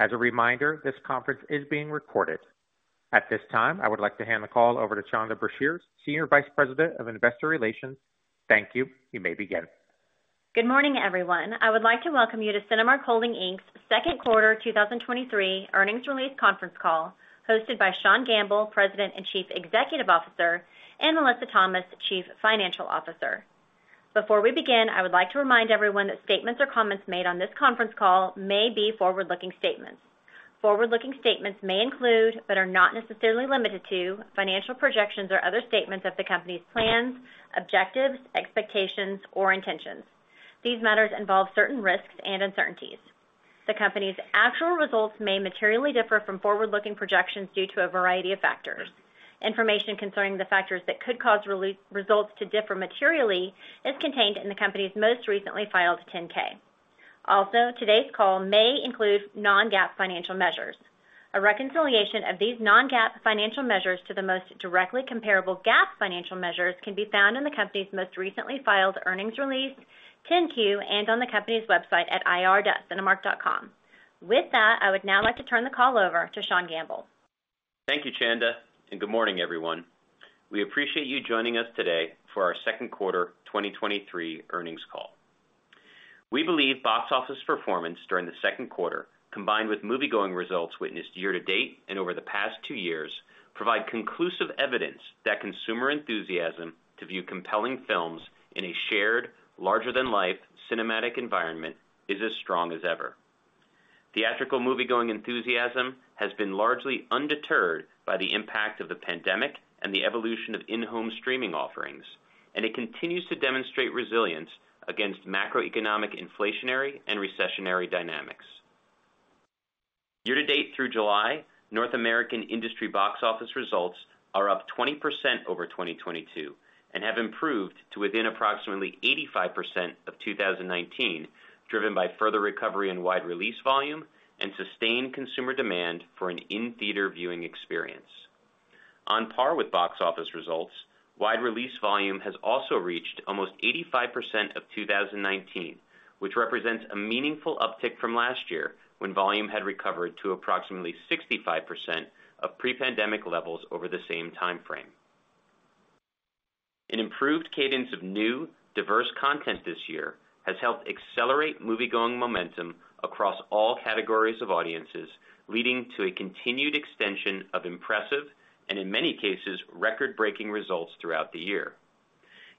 As a reminder, this conference is being recorded. At this time, I would like to hand the call over to Chanda Brashears, Senior Vice President of Investor Relations. Thank you. You may begin. Good morning, everyone. I would like to welcome you to Cinemark Holdings, Inc's Second Quarter 2023 Earnings Release Conference Call, hosted by Sean Gamble, President and Chief Executive Officer, and Melissa Thomas, Chief Financial Officer. Before we begin, I would like to remind everyone that statements or comments made on this conference call may be forward-looking statements. Forward-looking statements may include, but are not necessarily limited to, financial projections or other statements of the company's plans, objectives, expectations, or intentions. These matters involve certain risks and uncertainties. The company's actual results may materially differ from forward-looking projections due to a variety of factors. Information concerning the factors that could cause results to differ materially is contained in the company's most recently filed 10-K. Also, today's call may include non-GAAP financial measures. A reconciliation of these non-GAAP financial measures to the most directly comparable GAAP financial measures can be found in the company's most recently filed earnings release, 10-Q, and on the company's website at ir.cinemark.com. With that, I would now like to turn the call over to Sean Gamble. Thank you, Chanda. Good morning, everyone. We appreciate you joining us today for our second quarter 2023 earnings call. We believe box office performance during the second quarter, combined with moviegoing results witnessed year-to-date and over the past two years, provide conclusive evidence that consumer enthusiasm to view compelling films in a shared, larger-than-life cinematic environment is as strong as ever. Theatrical moviegoing enthusiasm has been largely undeterred by the impact of the pandemic and the evolution of in-home streaming offerings. It continues to demonstrate resilience against macroeconomic, inflationary, and recessionary dynamics. Year-to-date through July, North American industry box office results are up 20% over 2022 and have improved to within approximately 85% of 2019, driven by further recovery in wide release volume and sustained consumer demand for an in-theater viewing experience. On par with box office results, wide release volume has also reached almost 85% of 2019, which represents a meaningful uptick from last year, when volume had recovered to approximately 65% of pre-pandemic levels over the same timeframe. An improved cadence of new, diverse content this year has helped accelerate moviegoing momentum across all categories of audiences, leading to a continued extension of impressive and, in many cases, record-breaking results throughout the year.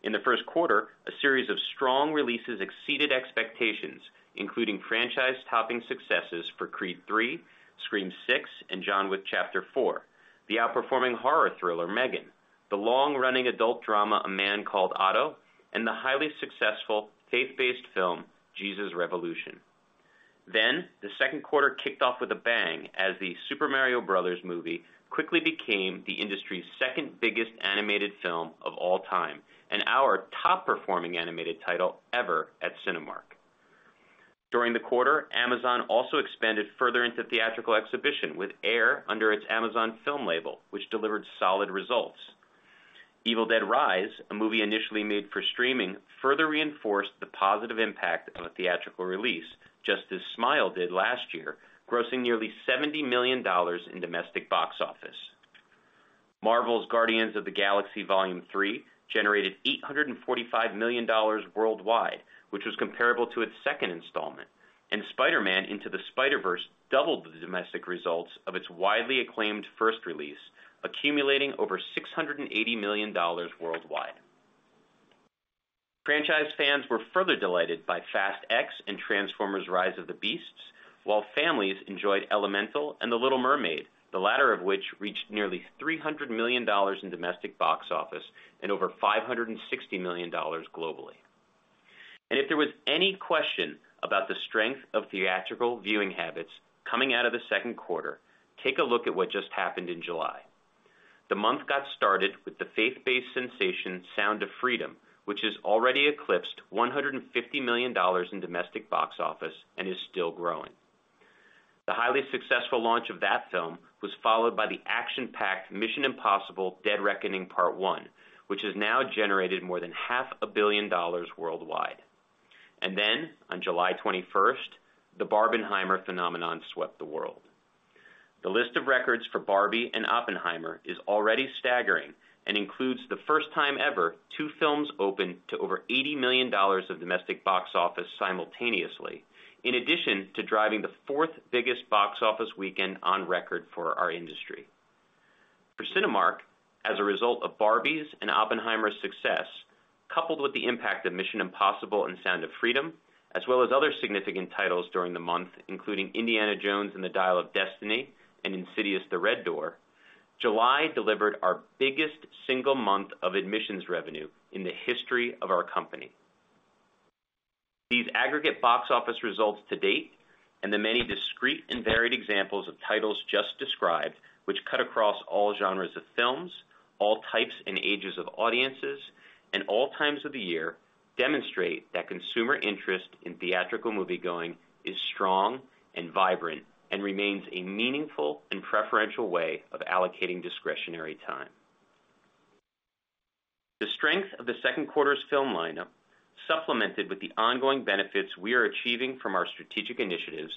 In the first quarter, a series of strong releases exceeded expectations, including franchise-topping successes for Creed III, Scream VI, and John Wick: Chapter 4, the outperforming horror thriller, M3GAN, the long-running adult drama, A Man Called Otto, and the highly successful faith-based film, Jesus Revolution. The second quarter kicked off with a bang as The Super Mario Bros. Movie quickly became the industry's second-biggest animated film of all time and our top-performing animated title ever at Cinemark. During the quarter, Amazon also expanded further into theatrical exhibition with Air under its Amazon film label, which delivered solid results. Evil Dead Rise, a movie initially made for streaming, further reinforced the positive impact of a theatrical release, just as Smile did last year, grossing nearly $70 million in domestic box office. Marvel's Guardians of the Galaxy Vol. 3 generated $845 million worldwide, which was comparable to its second installment, and Spider-Man: Into the Spider-Verse doubled the domestic results of its widely acclaimed first release, accumulating over $680 million worldwide. Franchise fans were further delighted by Fast X and Transformers: Rise of the Beasts, while families enjoyed Elemental and The Little Mermaid, the latter of which reached nearly $300 million in domestic box office and over $560 million globally. If there was any question about the strength of theatrical viewing habits coming out of the second quarter, take a look at what just happened in July. The month got started with the faith-based sensation Sound of Freedom, which has already eclipsed $150 million in domestic box office and is still growing. The highly successful launch of that film was followed by the action-packed Mission: Impossible – Dead Reckoning Part 1, which has now generated more than $500 million worldwide. On July 21st, the Barbenheimer phenomenon swept the world. The list of records for Barbie and Oppenheimer is already staggering and includes the first time ever two films opened to over $80 million of domestic box office simultaneously, in addition to driving the fourth-biggest box office weekend on record for our industry. For Cinemark, as a result of Barbie's and Oppenheimer's success, coupled with the impact of Mission: Impossible and Sound of Freedom, as well as other significant titles during the month, including Indiana Jones and the Dial of Destiny and Insidious: The Red Door, July delivered our biggest single month of admissions revenue in the history of our company. These aggregate box office results to date, and the many discrete and varied examples of titles just described, which cut across all genres of films, all types and ages of audiences, and all times of the year, demonstrate that consumer interest in theatrical moviegoing is strong and vibrant and remains a meaningful and preferential way of allocating discretionary time....The strength of the second quarter's film lineup, supplemented with the ongoing benefits we are achieving from our strategic initiatives,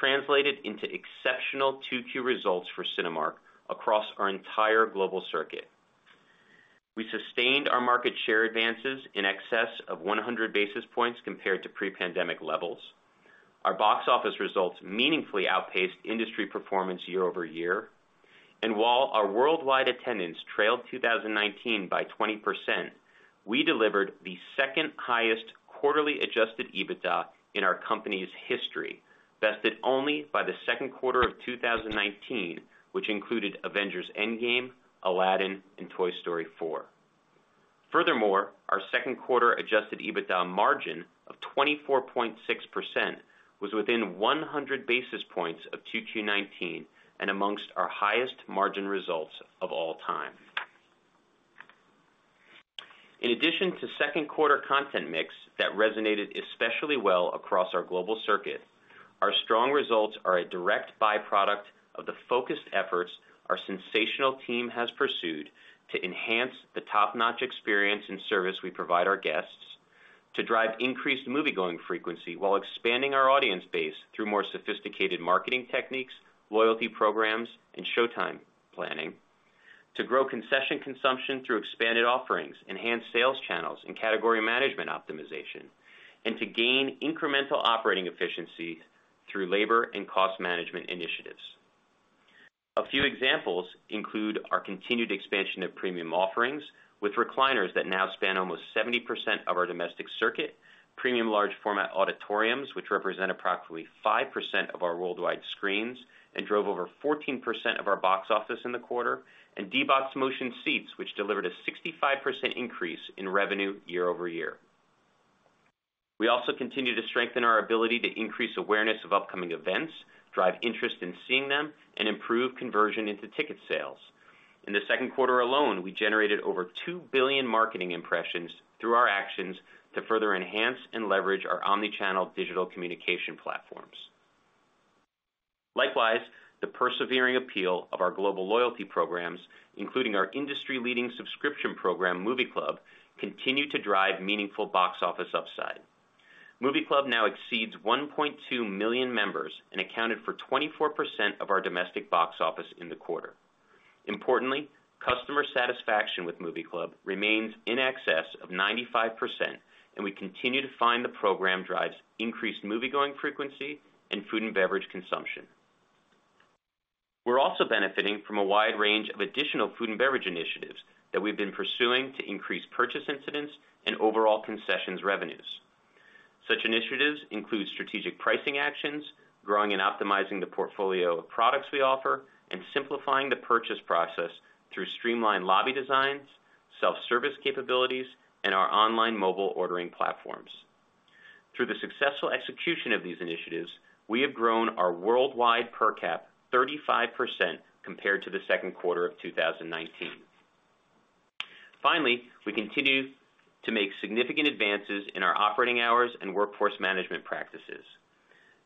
translated into exceptional 2Q results for Cinemark across our entire global circuit. We sustained our market share advances in excess of 100 basis points compared to pre-pandemic levels. Our box office results meaningfully outpaced industry performance year-over-year. While our worldwide attendance trailed 2019 by 20%, we delivered the second highest quarterly adjusted EBITDA in our company's history, bested only by the second quarter of 2019, which included Avengers: Endgame, Aladdin, and Toy Story 4. Furthermore, our second quarter adjusted EBITDA margin of 24.6% was within 100 basis points of 2Q 2019, and amongst our highest margin results of all time. In addition to second quarter content mix that resonated especially well across our global circuit, our strong results are a direct byproduct of the focused efforts our sensational team has pursued to enhance the top-notch experience and service we provide our guests, to drive increased moviegoing frequency while expanding our audience base through more sophisticated marketing techniques, loyalty programs, and showtime planning. To grow concession consumption through expanded offerings, enhanced sales channels, and category management optimization, to gain incremental operating efficiency through labor and cost management initiatives. A few examples include our continued expansion of premium offerings with recliners that now span almost 70% of our domestic circuit, premium large format auditoriums, which represent approximately 5% of our worldwide screens and drove over 14% of our box office in the quarter, and D-BOX motion seats, which delivered a 65% increase in revenue year-over-year. We also continue to strengthen our ability to increase awareness of upcoming events, drive interest in seeing them, and improve conversion into ticket sales. In the second quarter alone, we generated over 2 billion marketing impressions through our actions to further enhance and leverage our omni-channel digital communication platforms. Likewise, the persevering appeal of our global loyalty programs, including our industry-leading subscription program, Movie Club, continue to drive meaningful box office upside. Movie Club now exceeds 1.2 million members and accounted for 24% of our domestic box office in the quarter. Importantly, customer satisfaction with Movie Club remains in excess of 95%, and we continue to find the program drives increased moviegoing frequency and food and beverage consumption. We're also benefiting from a wide range of additional food and beverage initiatives that we've been pursuing to increase purchase incidents and overall concessions revenues. Such initiatives include strategic pricing actions, growing and optimizing the portfolio of products we offer, and simplifying the purchase process through streamlined lobby designs, self-service capabilities, and our online mobile ordering platforms. Through the successful execution of these initiatives, we have grown our worldwide per cap 35% compared to the second quarter of 2019. We continue to make significant advances in our operating hours and workforce management practices.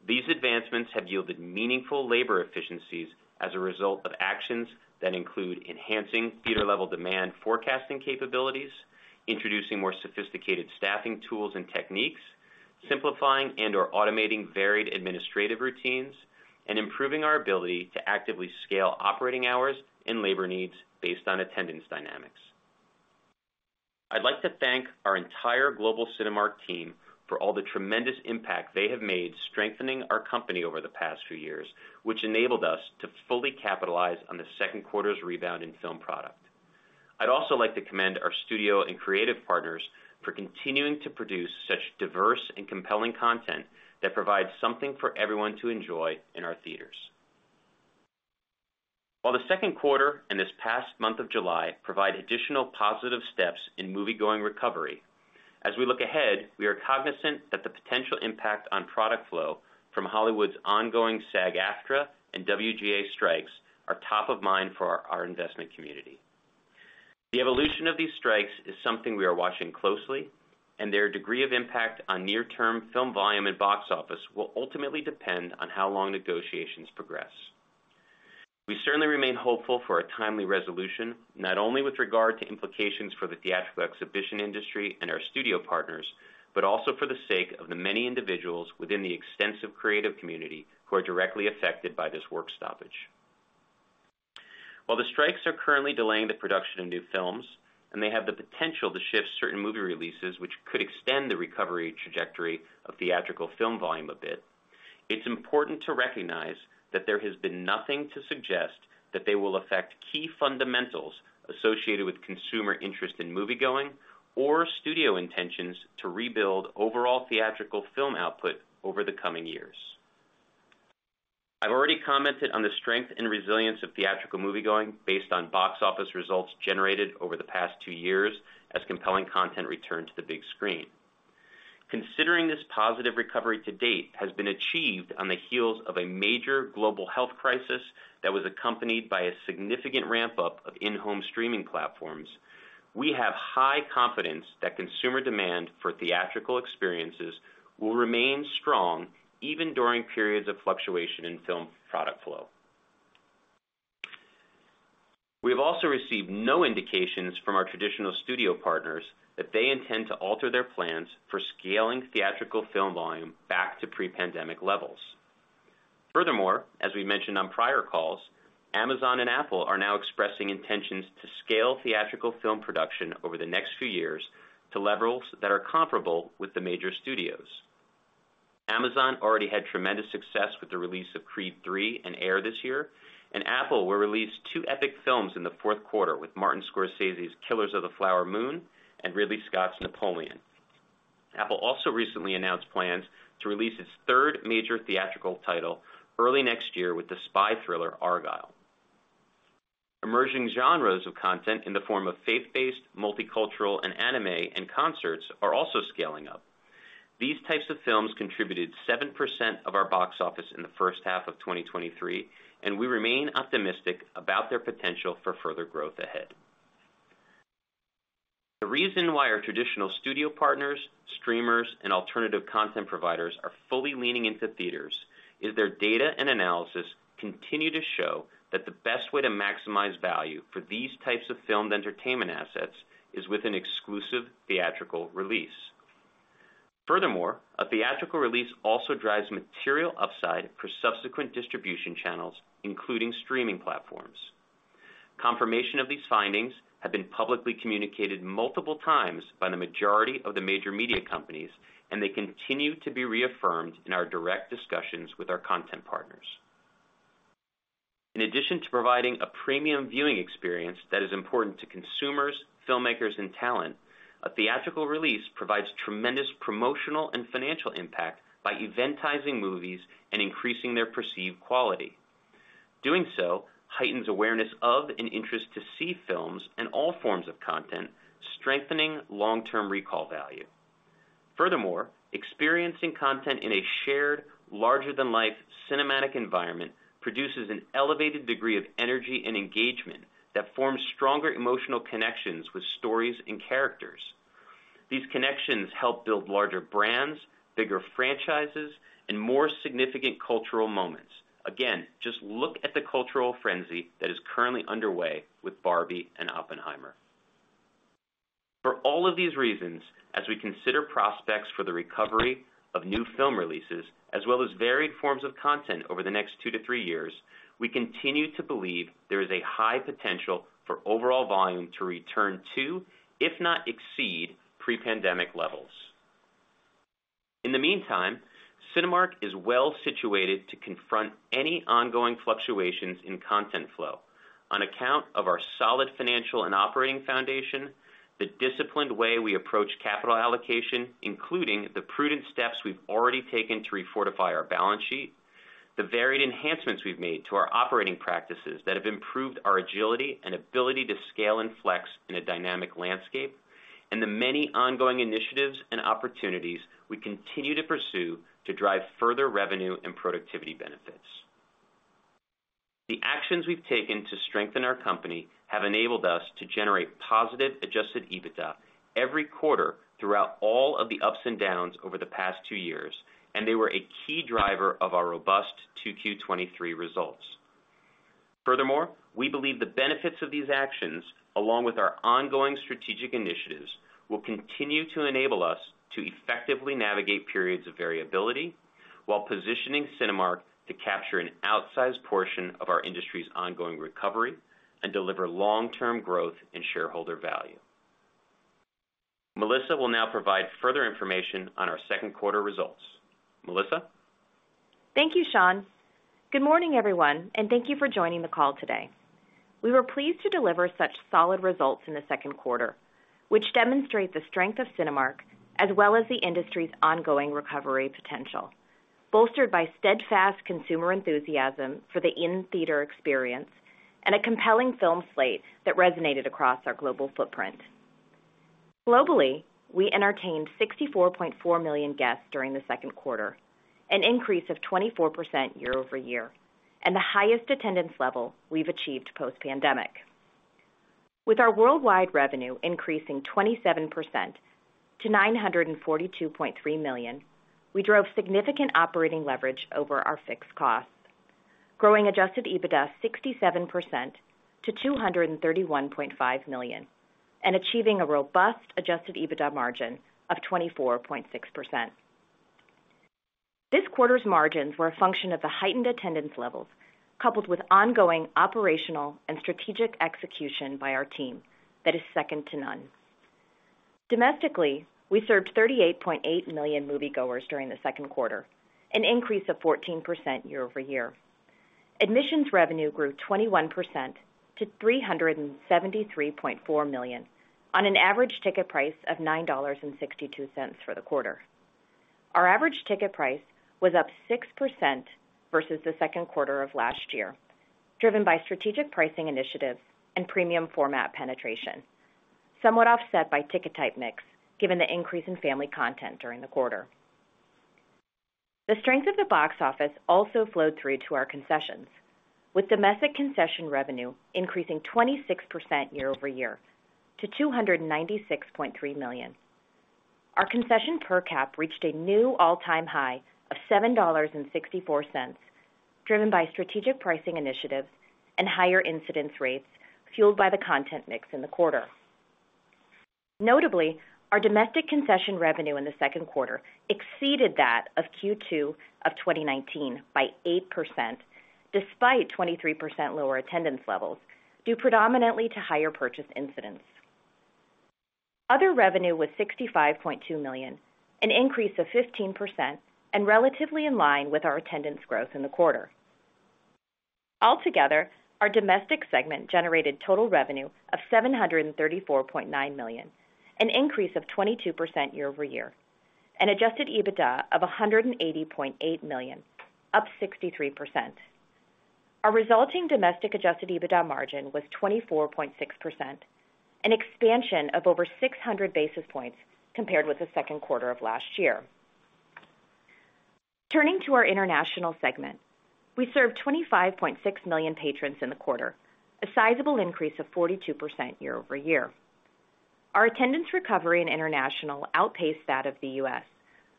These advancements have yielded meaningful labor efficiencies as a result of actions that include enhancing theater-level demand forecasting capabilities, introducing more sophisticated staffing tools and techniques, simplifying and/or automating varied administrative routines, and improving our ability to actively scale operating hours and labor needs based on attendance dynamics. I'd like to thank our entire global Cinemark team for all the tremendous impact they have made, strengthening our company over the past few years, which enabled us to fully capitalize on the second quarter's rebound in film product. I'd also like to commend our studio and creative partners for continuing to produce such diverse and compelling content that provides something for everyone to enjoy in our theaters. While the second quarter and this past month of July provide additional positive steps in moviegoing recovery, as we look ahead, we are cognizant that the potential impact on product flow from Hollywood's ongoing SAG-AFTRA and WGA strikes are top of mind for our investment community. The evolution of these strikes is something we are watching closely. Their degree of impact on near-term film volume and box office will ultimately depend on how long negotiations progress. We certainly remain hopeful for a timely resolution, not only with regard to implications for the theatrical exhibition industry and our studio partners, but also for the sake of the many individuals within the extensive creative community who are directly affected by this work stoppage. While the strikes are currently delaying the production of new films, and they have the potential to shift certain movie releases, which could extend the recovery trajectory of theatrical film volume a bit, it's important to recognize that there has been nothing to suggest that they will affect key fundamentals associated with consumer interest in moviegoing, or studio intentions to rebuild overall theatrical film output over the coming years. I've already commented on the strength and resilience of theatrical moviegoing based on box office results generated over the past 2 years as compelling content returned to the big screen. Considering this positive recovery to date has been achieved on the heels of a major global health crisis that was accompanied by a significant ramp-up of in-home streaming platforms, we have high confidence that consumer demand for theatrical experiences will remain strong, even during periods of fluctuation in film product flow.... We have also received no indications from our traditional studio partners that they intend to alter their plans for scaling theatrical film volume back to pre-pandemic levels. Furthermore, as we mentioned on prior calls, Amazon and Apple are now expressing intentions to scale theatrical film production over the next few years to levels that are comparable with the major studios. Amazon already had tremendous success with the release of Creed III and Air this year, and Apple will release two epic films in the fourth quarter, with Martin Scorsese's Killers of the Flower Moon and Ridley Scott's Napoleon. Apple also recently announced plans to release its third major theatrical title early next year with the spy thriller, Argylle. Emerging genres of content in the form of faith-based, multicultural, and anime, and concerts are also scaling up. These types of films contributed 7% of our box office in the first half of 2023, and we remain optimistic about their potential for further growth ahead. The reason why our traditional studio partners, streamers, and alternative content providers are fully leaning into theaters is their data and analysis continue to show that the best way to maximize value for these types of filmed entertainment assets is with an exclusive theatrical release. A theatrical release also drives material upside for subsequent distribution channels, including streaming platforms. Confirmation of these findings have been publicly communicated multiple times by the majority of the major media companies, and they continue to be reaffirmed in our direct discussions with our content partners. In addition to providing a premium viewing experience that is important to consumers, filmmakers, and talent, a theatrical release provides tremendous promotional and financial impact by eventizing movies and increasing their perceived quality. Doing so heightens awareness of and interest to see films and all forms of content, strengthening long-term recall value. Furthermore, experiencing content in a shared, larger-than-life cinematic environment produces an elevated degree of energy and engagement that forms stronger emotional connections with stories and characters. These connections help build larger brands, bigger franchises, and more significant cultural moments. Again, just look at the cultural frenzy that is currently underway with Barbie and Oppenheimer. For all of these reasons, as we consider prospects for the recovery of new film releases, as well as varied forms of content over the next two to three years, we continue to believe there is a high potential for overall volume to return to, if not exceed, pre-pandemic levels. In the meantime, Cinemark is well situated to confront any ongoing fluctuations in content flow on account of our solid financial and operating foundation, the disciplined way we approach capital allocation, including the prudent steps we've already taken to refortify our balance sheet, the varied enhancements we've made to our operating practices that have improved our agility and ability to scale and flex in a dynamic landscape, and the many ongoing initiatives and opportunities we continue to pursue to drive further revenue and productivity benefits. The actions we've taken to strengthen our company have enabled us to generate positive adjusted EBITDA every quarter throughout all of the ups and downs over the past two years, and they were a key driver of our robust 2Q 2023 results. Furthermore, we believe the benefits of these actions, along with our ongoing strategic initiatives, will continue to enable us to effectively navigate periods of variability while positioning Cinemark to capture an outsized portion of our industry's ongoing recovery and deliver long-term growth and shareholder value. Melissa will now provide further information on our second quarter results. Melissa? Thank you, Sean. Good morning, everyone. Thank you for joining the call today. We were pleased to deliver such solid results in the second quarter, which demonstrate the strength of Cinemark, as well as the industry's ongoing recovery potential, bolstered by steadfast consumer enthusiasm for the in-theater experience and a compelling film slate that resonated across our global footprint. Globally, we entertained 64.4 million guests during the second quarter, an increase of 24% year-over-year. The highest attendance level we've achieved post-pandemic. With our worldwide revenue increasing 27% to $942.3 million, we drove significant operating leverage over our fixed costs, growing adjusted EBITDA 67% to $231.5 million. Achieving a robust adjusted EBITDA margin of 24.6%. This quarter's margins were a function of the heightened attendance levels, coupled with ongoing operational and strategic execution by our team that is second to none. Domestically, we served 38.8 million moviegoers during the second quarter, an increase of 14% year-over-year. Admissions revenue grew 21% to $373.4 million on an average ticket price of $9.62 for the quarter. Our average ticket price was up 6% versus the second quarter of last year, driven by strategic pricing initiatives and premium format penetration, somewhat offset by ticket type mix, given the increase in family content during the quarter. The strength of the box office also flowed through to our concessions, with domestic concession revenue increasing 26% year-over-year to $296.3 million. Our concession per cap reached a new all-time high of $7.64, driven by strategic pricing initiatives and higher incidence rates, fueled by the content mix in the quarter. Notably, our domestic concession revenue in the second quarter exceeded that of Q2 of 2019 by 8%, despite 23% lower attendance levels, due predominantly to higher purchase incidents. Other revenue was $65.2 million, an increase of 15% and relatively in line with our attendance growth in the quarter. Altogether, our domestic segment generated total revenue of $734.9 million, an increase of 22% year-over-year, and adjusted EBITDA of $180.8 million, up 63%. Our resulting domestic adjusted EBITDA margin was 24.6%, an expansion of over 600 basis points compared with the second quarter of last year. Turning to our international segment, we served 25.6 million patrons in the quarter, a sizable increase of 42% year-over-year. Our attendance recovery in international outpaced that of the U.S.,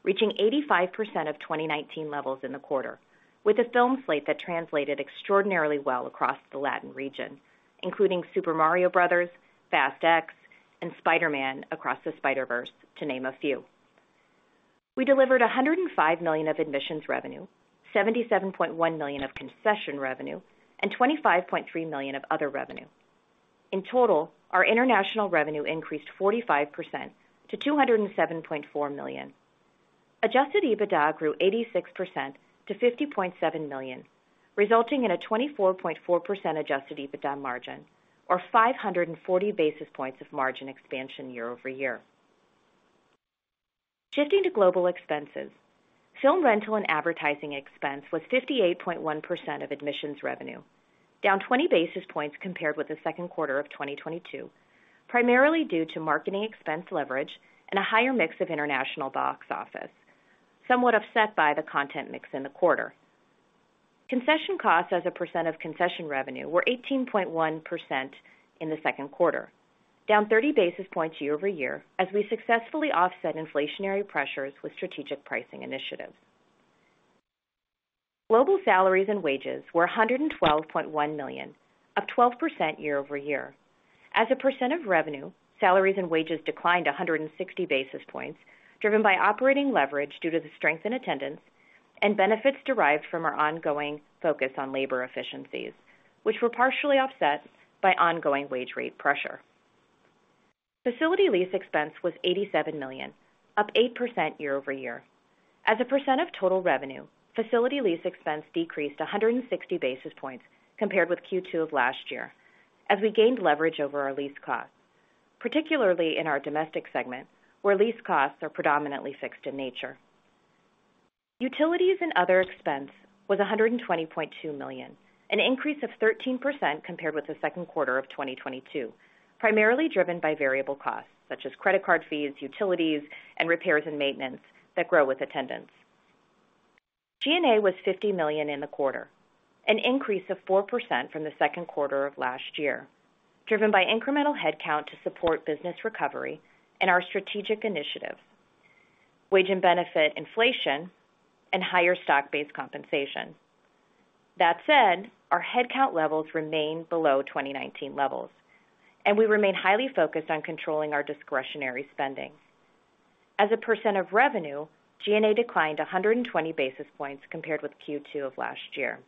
reaching 85% of 2019 levels in the quarter, with a film slate that translated extraordinarily well across the Latin region, including Super Mario Bros, Fast X, and Spider-Man: Across the Spider-Verse, to name a few. We delivered $105 million of admissions revenue, $77.1 million of concession revenue, and $25.3 million of other revenue. In total, our international revenue increased 45% to $207.4 million. Adjusted EBITDA grew 86% to $50.7 million, resulting in a 24.4% adjusted EBITDA margin, or 540 basis points of margin expansion year-over-year. Shifting to global expenses, film rental and advertising expense was 58.1% of admissions revenue, down 20 basis points compared with the second quarter of 2022, primarily due to marketing expense leverage and a higher mix of international box office, somewhat offset by the content mix in the quarter. Concession costs as a percent of concession revenue were 18.1% in the second quarter, down 30 basis points year-over-year, as we successfully offset inflationary pressures with strategic pricing initiatives. Global salaries and wages were $112.1 million, up 12% year-over-year. As a percent of revenue, salaries and wages declined 160 basis points, driven by operating leverage due to the strength in attendance and benefits derived from our ongoing focus on labor efficiencies, which were partially offset by ongoing wage rate pressure. Facility lease expense was $87 million, up 8% year-over-year. As a percent of total revenue, facility lease expense decreased 160 basis points compared with Q2 of last year, as we gained leverage over our lease costs, particularly in our domestic segment, where lease costs are predominantly fixed in nature. Utilities and other expense was $120.2 million, an increase of 13% compared with the second quarter of 2022, primarily driven by variable costs such as credit card fees, utilities, and repairs and maintenance that grow with attendance. G&A was $50 million in the quarter, an increase of 4% from the second quarter of last year, driven by incremental headcount to support business recovery and our strategic initiative, wage and benefit inflation, and higher stock-based compensation. That said, our headcount levels remain below 2019 levels, and we remain highly focused on controlling our discretionary spending. As a % of revenue, G&A declined 120 basis points compared with Q2 of last year.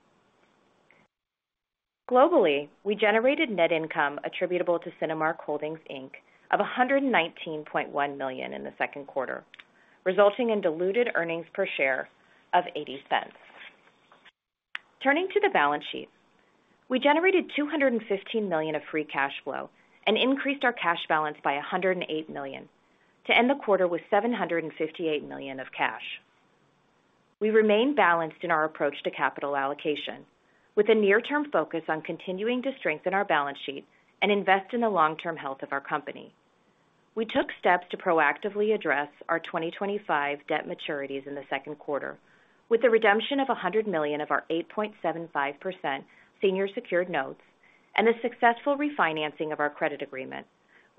Globally, we generated net income attributable to Cinemark Holdings, Inc. of $119.1 million in the second quarter, resulting in diluted earnings per share of $0.80. Turning to the balance sheet, we generated $215 million of free cash flow and increased our cash balance by $108 million to end the quarter with $758 million of cash. We remain balanced in our approach to capital allocation, with a near-term focus on continuing to strengthen our balance sheet and invest in the long-term health of our company. We took steps to proactively address our 2025 debt maturities in the second quarter with the redemption of $100 million of our 8.75% senior secured notes and the successful refinancing of our credit agreement,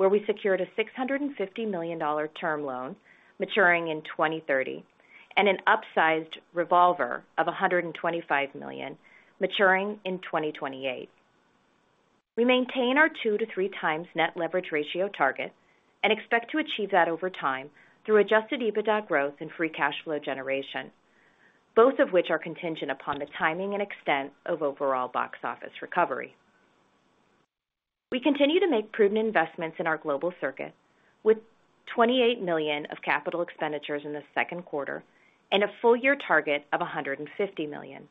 where we secured a $650 million term loan maturing in 2030 and an upsized revolver of $125 million maturing in 2028. We maintain our 2-3x net leverage ratio target and expect to achieve that over time through adjusted EBITDA growth and free cash flow generation, both of which are contingent upon the timing and extent of overall box office recovery. We continue to make prudent investments in our global circuit, with $28 million of capital expenditures in the second quarter and a full year target of $150 million.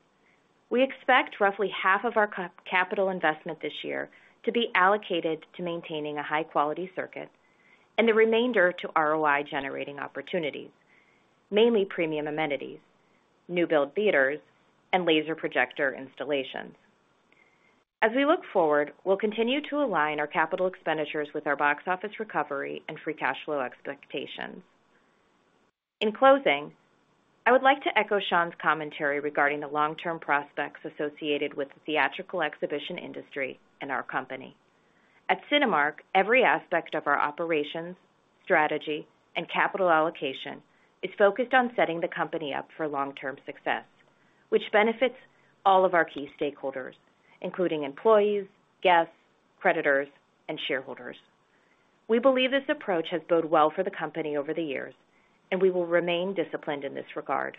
We expect roughly half of our capital investment this year to be allocated to maintaining a high-quality circuit and the remainder to ROI-generating opportunities, mainly premium amenities, new build theaters, and laser projector installations. As we look forward, we'll continue to align our capital expenditures with our box office recovery and free cash flow expectations. In closing, I would like to echo Sean's commentary regarding the long-term prospects associated with the theatrical exhibition industry and our company. At Cinemark, every aspect of our operations, strategy, and capital allocation is focused on setting the company up for long-term success, which benefits all of our key stakeholders, including employees, guests, creditors, and shareholders. We believe this approach has bode well for the company over the years, and we will remain disciplined in this regard.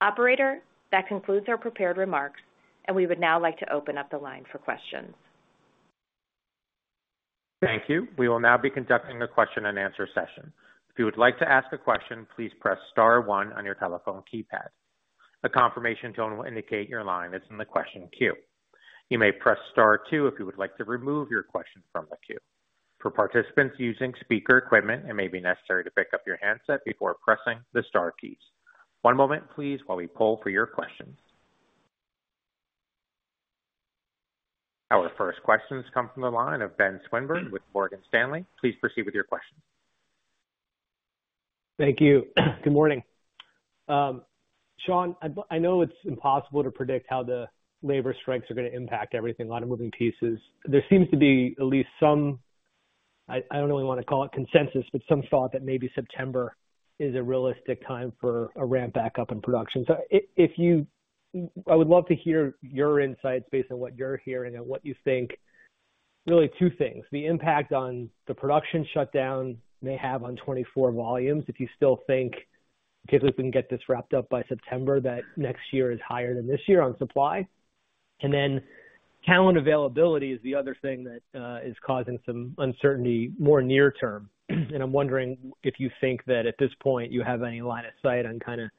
Operator, that concludes our prepared remarks, and we would now like to open up the line for questions. Thank you. We will now be conducting a question-and-answer session. If you would like to ask a question, please press star one on your telephone keypad. A confirmation tone will indicate your line is in the question queue. You may press star two if you would like to remove your question from the queue. For participants using speaker equipment, it may be necessary to pick up your handset before pressing the star keys. One moment, please, while we poll for your questions. Our first questions come from the line of Ben Swinburne with Morgan Stanley. Please proceed with your question. Thank you. Good morning. Sean, I know it's impossible to predict how the labor strikes are going to impact everything, a lot of moving pieces. There seems to be at least some, I, I don't really want to call it consensus, but some thought that maybe September is a realistic time for a ramp back up in production. I would love to hear your insights based on what you're hearing and what you think. Really, two things, the impact on the production shutdown may have on 2024 volumes, if you still think, okay, we can get this wrapped up by September, that next year is higher than this year on supply. Talent availability is the other thing that is causing some uncertainty, more near term. I'm wondering if you think that at this point, you have any line of sight on kinda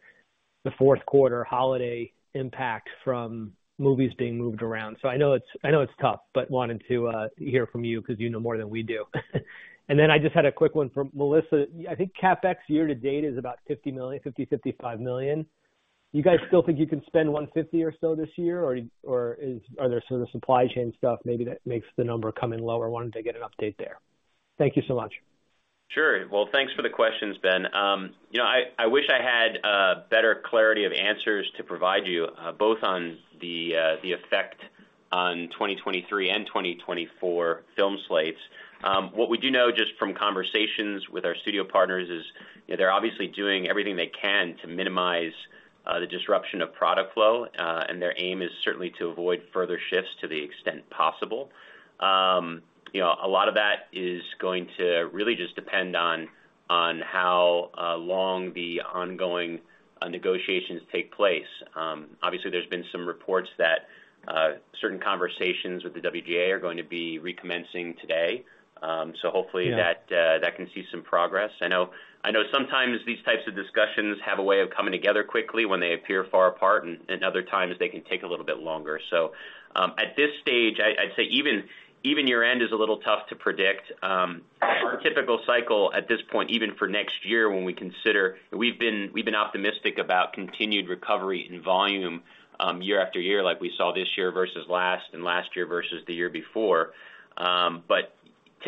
the fourth quarter holiday impact from movies being moved around. I know it's, I know it's tough, but wanting to hear from you because you know more than we do. Then I just had a quick one from Melissa. I think CapEx year to date is about $50 million, $50 million-$55 million. You guys still think you can spend $150 million or so this year, or are there sort of supply chain stuff, maybe that makes the number come in lower? Wanted to get an update there. Thank you so much. Sure. Well, thanks for the questions, Ben. You know, I, I wish I had better clarity of answers to provide you, both on the effect on 2023 and 2024 film slates. What we do know just from conversations with our studio partners is, you know, they're obviously doing everything they can to minimize the disruption of product flow, and their aim is certainly to avoid further shifts to the extent possible. You know, a lot of that is going to really just depend on, on how long the ongoing negotiations take place. Obviously, there's been some reports that certain conversations with the WGA are going to be recommencing today. So hopefully- Yeah... that, that can see some progress. I know, I know sometimes these types of discussions have a way of coming together quickly when they appear far apart, and, and other times they can take a little bit longer. At this stage, I, I'd say even, even your end is a little tough to predict. Typical cycle at this point, even for next year, when we consider we've been, we've been optimistic about continued recovery in volume, year after year, like we saw this year versus last, and last year versus the year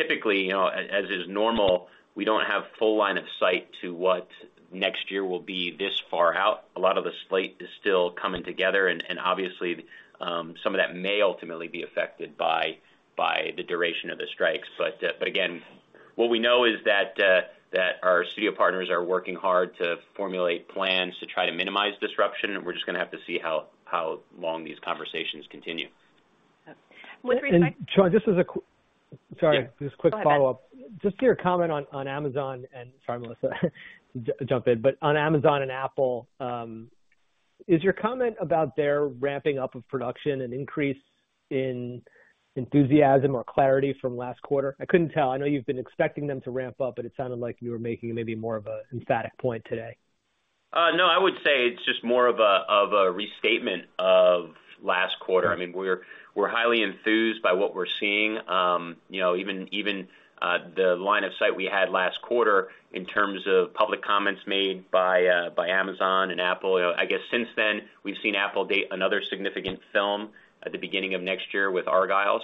before. Typically, you know, as, as is normal, we don't have full line of sight to what next year will be this far out. A lot of the slate is still coming together, and, and obviously, some of that may ultimately be affected by, by the duration of the strikes. Again, what we know is that, that our studio partners are working hard to formulate plans to try to minimize disruption, and we're just gonna have to see how, how long these conversations continue. With respect- Sean, this is a sorry, just a quick follow-up. Go ahead. Just to your comment on, on Amazon and... Sorry, Melissa, jump in. On Amazon and Apple, is your comment about their ramping up of production an increase in enthusiasm or clarity from last quarter? I couldn't tell. I know you've been expecting them to ramp up, but it sounded like you were making maybe more of a emphatic point today. No, I would say it's just more of a, of a restatement of last quarter. I mean, we're, we're highly enthused by what we're seeing. You know, even, even, the line of sight we had last quarter in terms of public comments made by, by Amazon and Apple. I guess since then, we've seen Apple date another significant film at the beginning of next year with Argylle.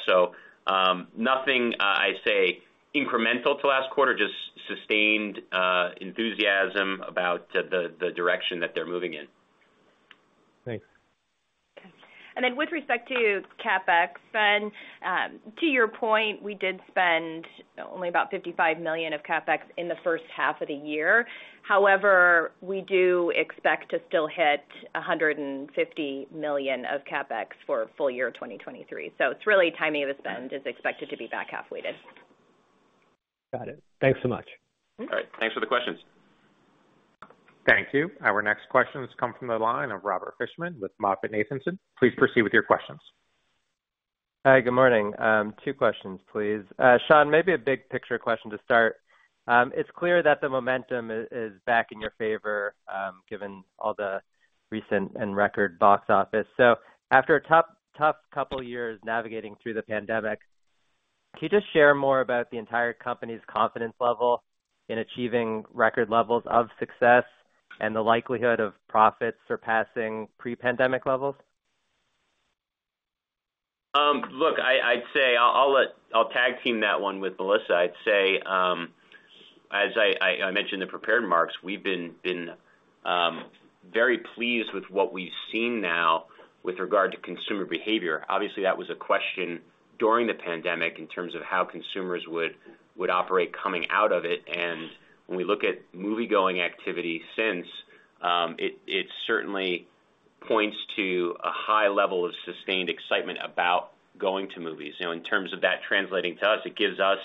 Nothing, I'd say, incremental to last quarter, just sustained, enthusiasm about the, the, the direction that they're moving in. Thanks. With respect to CapEx, Ben, to your point, we did spend only about $55 million of CapEx in the first half of the year. However, we do expect to still hit $150 million of CapEx for full year 2023. It's really timing of the spend is expected to be back half-weighted. Got it. Thanks so much. All right. Thanks for the questions. Thank you. Our next questions come from the line of Robert Fishman with MoffettNathanson. Please proceed with your questions. Hi, good morning. two questions, please. Sean, maybe a big picture question to start. It's clear that the momentum is, is back in your favor, given all the recent and record box office. After a tough, tough couple of years navigating through the pandemic, can you just share more about the entire company's confidence level in achieving record levels of success and the likelihood of profits surpassing pre-pandemic levels?... Look, I, I'd say I'll tag team that one with Melissa. I'd say, as I, I, I mentioned in the prepared remarks, we've been, been, very pleased with what we've seen now with regard to consumer behavior. Obviously, that was a question during the pandemic in terms of how consumers would, would operate coming out of it. When we look at moviegoing activity since, it, it certainly points to a high level of sustained excitement about going to movies. You know, in terms of that translating to us, it gives us,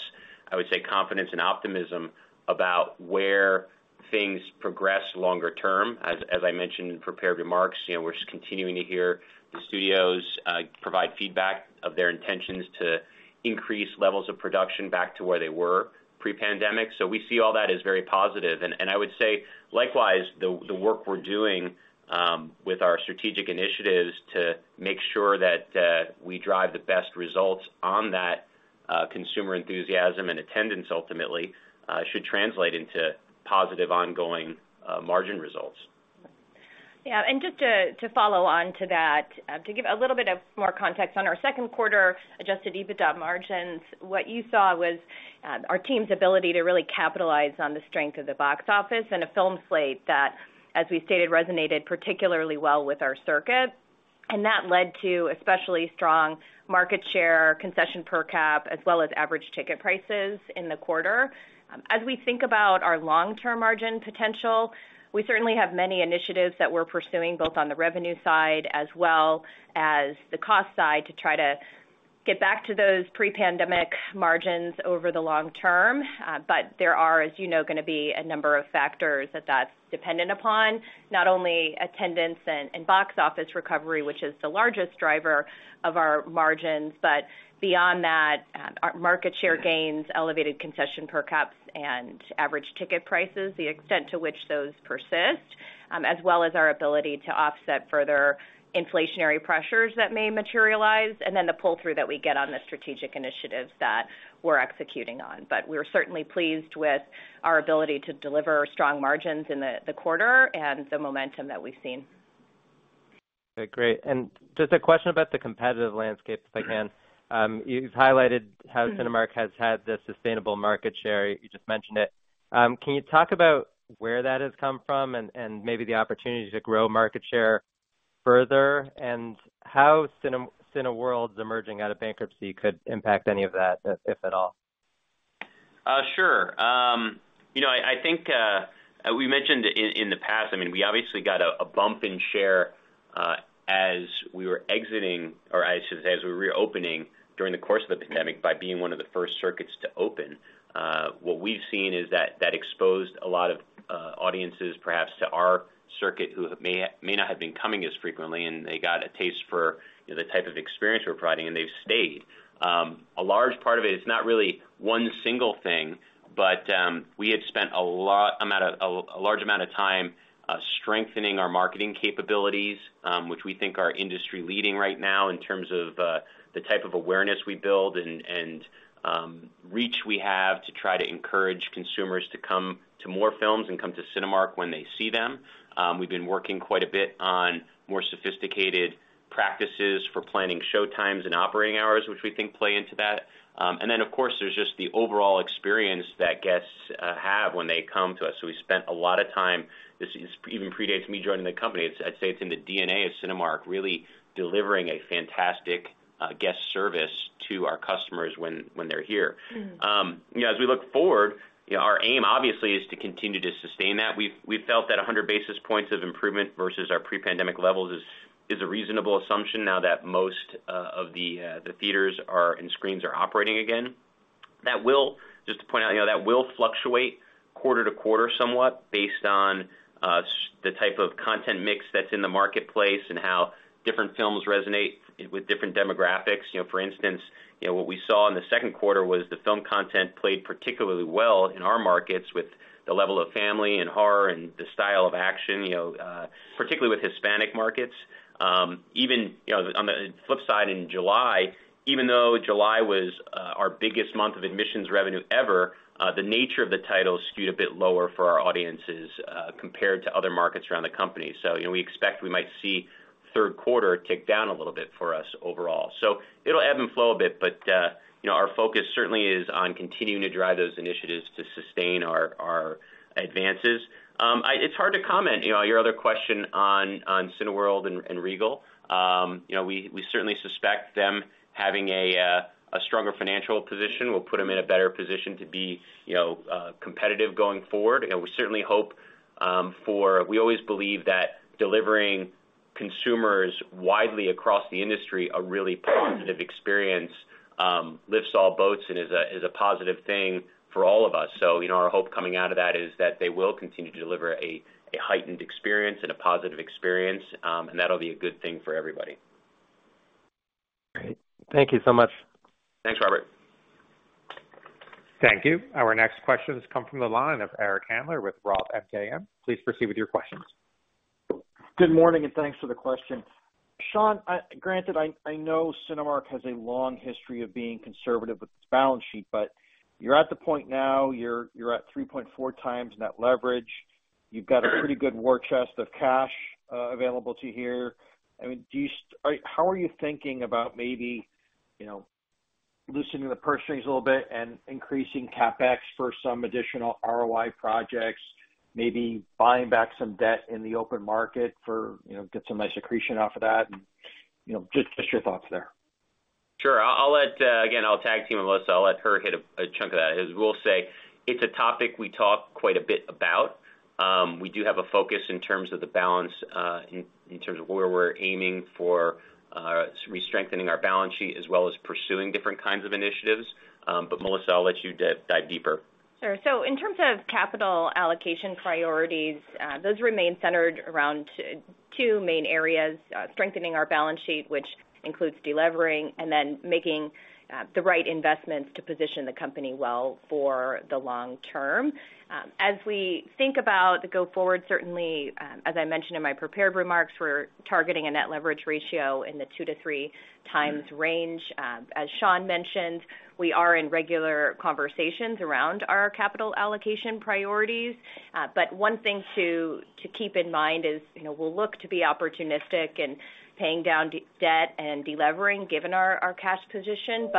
I would say confidence and optimism about where things progress longer term. As, as I mentioned in prepared remarks, you know, we're just continuing to hear the studios, provide feedback of their intentions to increase levels of production back to where they were pre-pandemic. We see all that as very positive. I would say, likewise, the work we're doing with our strategic initiatives to make sure that we drive the best results on that consumer enthusiasm and attendance ultimately should translate into positive ongoing margin results. Yeah, and just to, to follow on to that, to give a little bit of more context on our second quarter adjusted EBITDA margins, what you saw was our team's ability to really capitalize on the strength of the box office and a film slate that, as we stated, resonated particularly well with our circuit. That led to especially strong market share, concession per cap, as well as average ticket prices in the quarter. As we think about our long-term margin potential, we certainly have many initiatives that we're pursuing, both on the revenue side as well as the cost side, to try to get back to those pre-pandemic margins over the long term. There are, as you know, gonna be a number of factors that that's dependent upon. Not only attendance and box office recovery, which is the largest driver of our margins, but beyond that, our market share gains, elevated concession per caps and average ticket prices, the extent to which those persist, as well as our ability to offset further inflationary pressures that may materialize, and then the pull-through that we get on the strategic initiatives that we're executing on. We're certainly pleased with our ability to deliver strong margins in the quarter and the momentum that we've seen. Okay, great. Just a question about the competitive landscape, if I can? You've highlighted how Cinemark has had the sustainable market share. You just mentioned it. Can you talk about where that has come from and, and maybe the opportunity to grow market share further? How Cineworld's emerging out of bankruptcy could impact any of that, if, if at all? Sure. You know, I, I think, we mentioned in, in the past, I mean, we obviously got a, a bump in share, as we were exiting, or I should say, as we were reopening during the course of the pandemic, by being one of the first circuits to open. What we've seen is that that exposed a lot of, audiences, perhaps, to our circuit, who may, may not have been coming as frequently, and they got a taste for, you know, the type of experience we're providing, and they've stayed. A large part of it, it's not really one single thing, but we had spent a large amount of time strengthening our marketing capabilities, which we think are industry-leading right now in terms of the type of awareness we build and, and, reach we have to try to encourage consumers to come to more films and come to Cinemark when they see them. We've been working quite a bit on more sophisticated practices for planning showtimes and operating hours, which we think play into that. Then, of course, there's just the overall experience that guests have when they come to us. So we spent a lot of time, this is, even predates me joining the company. It's, I'd say, it's in the DNA of Cinemark, really delivering a fantastic, guest service to our customers when, when they're here. Mm. You know, as we look forward, you know, our aim, obviously, is to continue to sustain that. We've, we've felt that 100 basis points of improvement versus our pre-pandemic levels is, is a reasonable assumption now that most of the theaters are, and screens are operating again. That will... Just to point out, you know, that will fluctuate quarter to quarter, somewhat, based on s- the type of content mix that's in the marketplace and how different films resonate with different demographics. You know, for instance, you know, what we saw in the second quarter was the film content played particularly well in our markets with the level of family and horror and the style of action, you know, particularly with Hispanic markets. Even, you know, on the flip side, in July, even though July was, our biggest month of admissions revenue ever, the nature of the titles skewed a bit lower for our audiences, compared to other markets around the company. You know, we expect we might see third quarter tick down a little bit for us overall. It'll ebb and flow a bit, but, you know, our focus certainly is on continuing to drive those initiatives to sustain our, our advances. It's hard to comment, you know, on your other question on Cineworld and Regal. You know, we, we certainly suspect them having a, a stronger financial position will put them in a better position to be, you know, competitive going forward. You know, we certainly hope, for... We always believe that delivering consumers widely across the industry a really positive experience, lifts all boats and is a, is a positive thing for all of us. You know, our hope coming out of that is that they will continue to deliver a, a heightened experience and a positive experience, and that'll be a good thing for everybody. Great. Thank you so much. Thanks, Robert. Thank you. Our next question has come from the line of Eric Handler with Roth MKM. Please proceed with your questions. Good morning, and thanks for the question. Sean, I granted, I know Cinemark has a long history of being conservative with its balance sheet, but you're at the point now, you're, you're at 3.4x net leverage. You've got a pretty good war chest of cash available to you here. I mean, how are you thinking about maybe, you know, loosening the purse strings a little bit and increasing CapEx for some additional ROI projects, maybe buying back some debt in the open market for, you know, get some nice accretion off of that? You know, just, just your thoughts there. Sure. I'll let, again, I'll tag team with Melissa. I'll let her hit a chunk of that. As we'll say, it's a topic we talk quite a bit about. We do have a focus in terms of the balance, in terms of where we're aiming for, re-strengthening our balance sheet, as well as pursuing different kinds of initiatives. Melissa, I'll let you dive deeper. Sure. In terms of capital allocation priorities, those remain centered around two main areas: strengthening our balance sheet, which includes delevering, and then making the right investments to position the company well for the long term. As we think about the go forward, certainly, as I mentioned in my prepared remarks, we're targeting a net leverage ratio in the 2-3x range. As Sean mentioned, we are in regular conversations around our capital allocation priorities. One thing to keep in mind is, you know, we'll look to be opportunistic in paying down debt and delevering, given our cash position.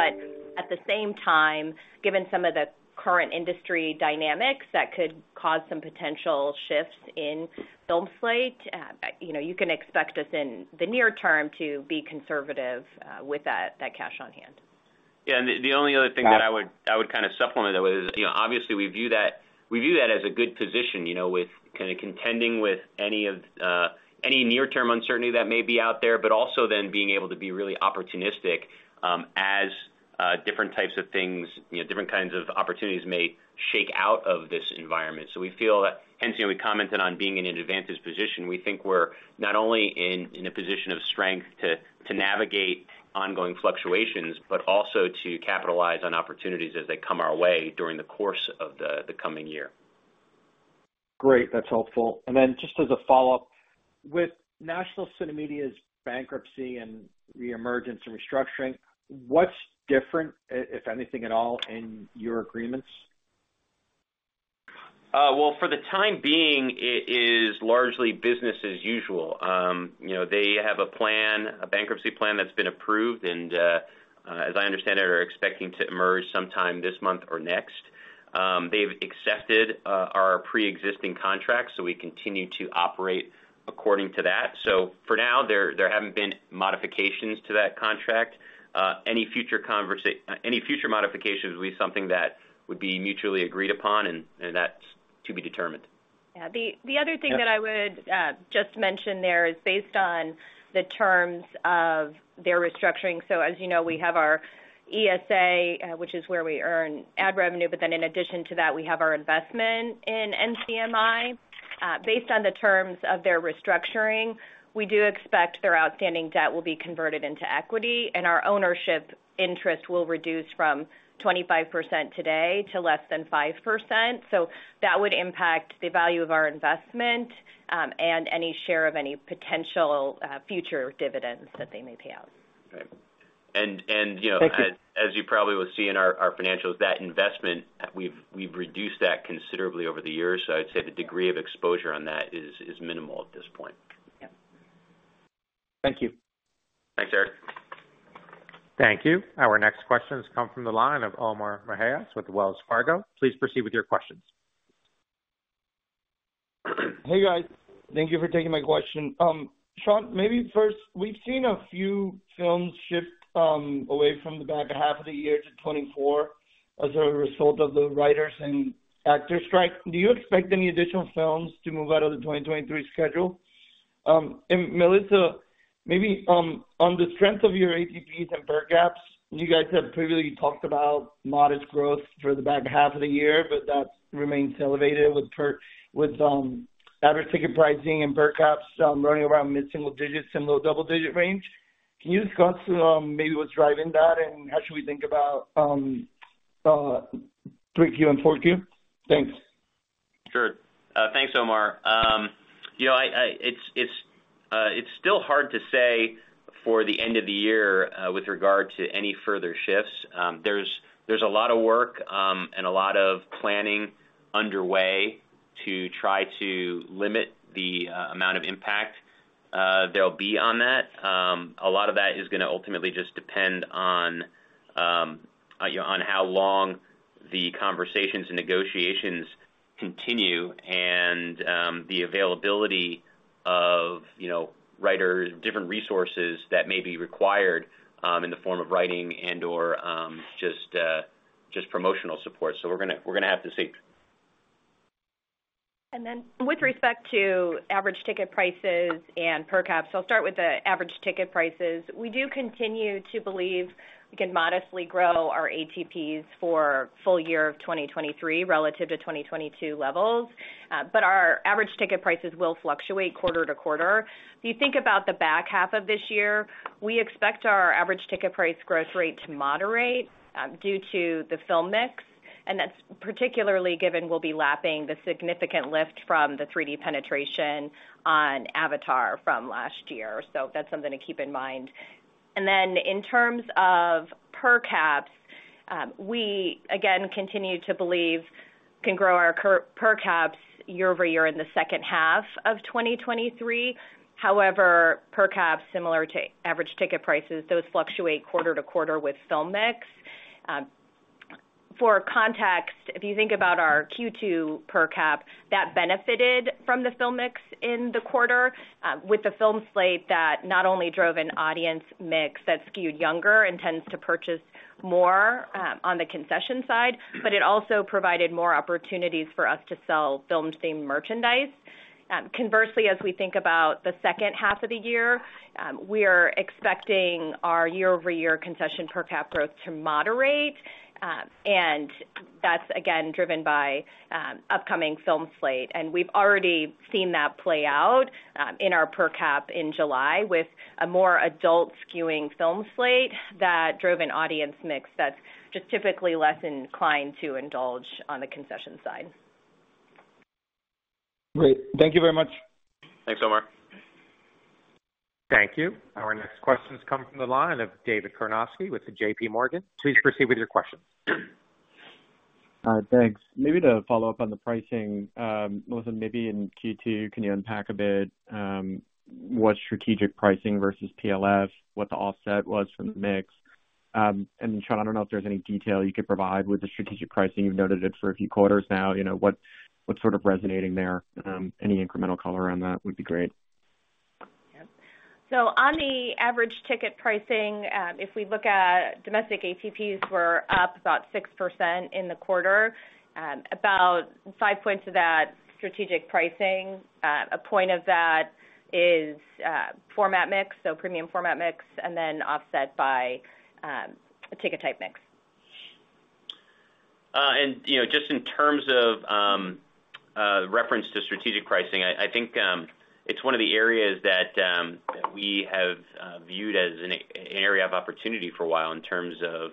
At the same time, given some of the current industry dynamics that could cause some potential shifts in film slate, you know, you can expect us in the near term to be conservative with that, that cash on hand. The only other thing that I would, I would kind of supplement it with is, you know, obviously, we view that, we view that as a good position, you know, with kind of contending with any of, any near-term uncertainty that may be out there, but also then being able to be really opportunistic, as, different types of things, you know, different kinds of opportunities may shake out of this environment. We feel that, hence, you know, we commented on being in an advantaged position. We think we're not only in, in a position of strength to, to navigate ongoing fluctuations, but also to capitalize on opportunities as they come our way during the course of the, the coming year. Great, that's helpful. Then just as a follow-up, with National CineMedia's bankruptcy and reemergence and restructuring, what's different, if anything at all, in your agreements? Well, for the time being, it is largely business as usual. You know, they have a plan, a bankruptcy plan that's been approved, and as I understand it, are expecting to emerge sometime this month or next. They've accepted our preexisting contract, so we continue to operate according to that. For now, there, there haven't been modifications to that contract. Any future modifications will be something that would be mutually agreed upon, and that's to be determined. Yeah, the other thing— Yeah... that I would just mention there is based on the terms of their restructuring. As you know, we have our ESA, which is where we earn ad revenue, but then in addition to that, we have our investment in NCMI. Based on the terms of their restructuring, we do expect their outstanding debt will be converted into equity, and our ownership interest will reduce from 25% today to less than 5%. That would impact the value of our investment, and any share of any potential future dividends that they may pay out. Right. you know... Thank you.... as, as you probably will see in our, our financials, that investment, we've, we've reduced that considerably over the years. I'd say the degree of exposure on that is, is minimal at this point. Yeah. Thank you. Thanks, Eric. Thank you. Our next question has come from the line of Omar Mejias with Wells Fargo. Please proceed with your questions. Hey, guys. Thank you for taking my question. Sean, maybe first, we've seen a few films shift away from the back half of the year to 2024 as a result of the writers and actors strike. Do you expect any additional films to move out of the 2023 schedule? Melissa, maybe, on the strength of your ATPs and per caps, you guys have previously talked about modest growth for the back half of the year, but that remains elevated with with average ticket pricing and per caps running around mid-single digits and low double-digit range. Can you discuss maybe what's driving that, how should we think about 3Q and 4Q? Thanks. Sure. Thanks, Omar. You know, I, I, it's, it's, it's still hard to say for the end of the year with regard to any further shifts. There's, there's a lot of work and a lot of planning underway to try to limit the amount of impact there'll be on that. A lot of that is gonna ultimately just depend on, you know, on how long the conversations and negotiations continue and the availability of, you know, writers, different resources that may be required in the form of writing and/or just promotional support. We're gonna, we're gonna have to see. With respect to average ticket prices and per caps, I'll start with the average ticket prices. We do continue to believe we can modestly grow our ATPs for full year of 2023 relative to 2022 levels. But our average ticket prices will fluctuate quarter-to-quarter. If you think about the back half of this year, we expect our average ticket price growth rate to moderate due to the film mix, and that's particularly given we'll be lapping the significant lift from the 3D penetration on Avatar from last year. That's something to keep in mind. In terms of per caps, we again continue to believe can grow our per caps year-over-year in the second half of 2023. However, per cap, similar to average ticket prices, those fluctuate quarter-to-quarter with film mix. For context, if you think about our Q2 per cap, that benefited from the film mix in the quarter, with the film slate that not only drove an audience mix that skewed younger and tends to purchase more, on the concession side, but it also provided more opportunities for us to sell film-themed merchandise. Conversely, as we think about the second half of the year, we are expecting our year-over-year concession per cap growth to moderate. That's again, driven by, upcoming film slate. We've already seen that play out, in our per cap in July with a more adult-skewing film slate that drove an audience mix that's just typically less inclined to indulge on the concession side. Great. Thank you very much. Thanks, Omar. Thank you. Our next question has come from the line of David Karnovsky with the JPMorgan. Please proceed with your question. Thanks. Maybe to follow up on the pricing, Melissa, maybe in Q2, can you unpack a bit what strategic pricing versus PLFs, what the offset was from the mix? Sean, I don't know if there's any detail you could provide with the strategic pricing. You've noted it for a few quarters now. You know, what's sort of resonating there? Any incremental color around that would be great. Yep. On the average ticket pricing, if we look at domestic ATPs were up about 6% in the quarter, about 5 points of that, strategic pricing. One point of that is format mix, so premium format mix, and then offset by a ticket type mix. You know, just in terms of reference to strategic pricing, I, I think, it's one of the areas that we have viewed as an area of opportunity for a while in terms of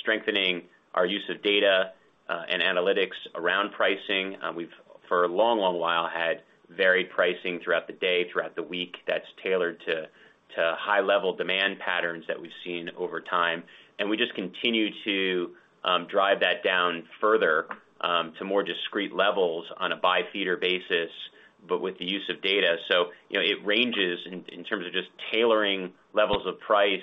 strengthening our use of data and analytics around pricing. We've for a long, long while had varied pricing throughout the day, throughout the week, that's tailored to high-level demand patterns that we've seen over time. We just continue to drive that down further to more discrete levels on a by-theater basis, but with the use of data. You know, it ranges in, in terms of just tailoring levels of price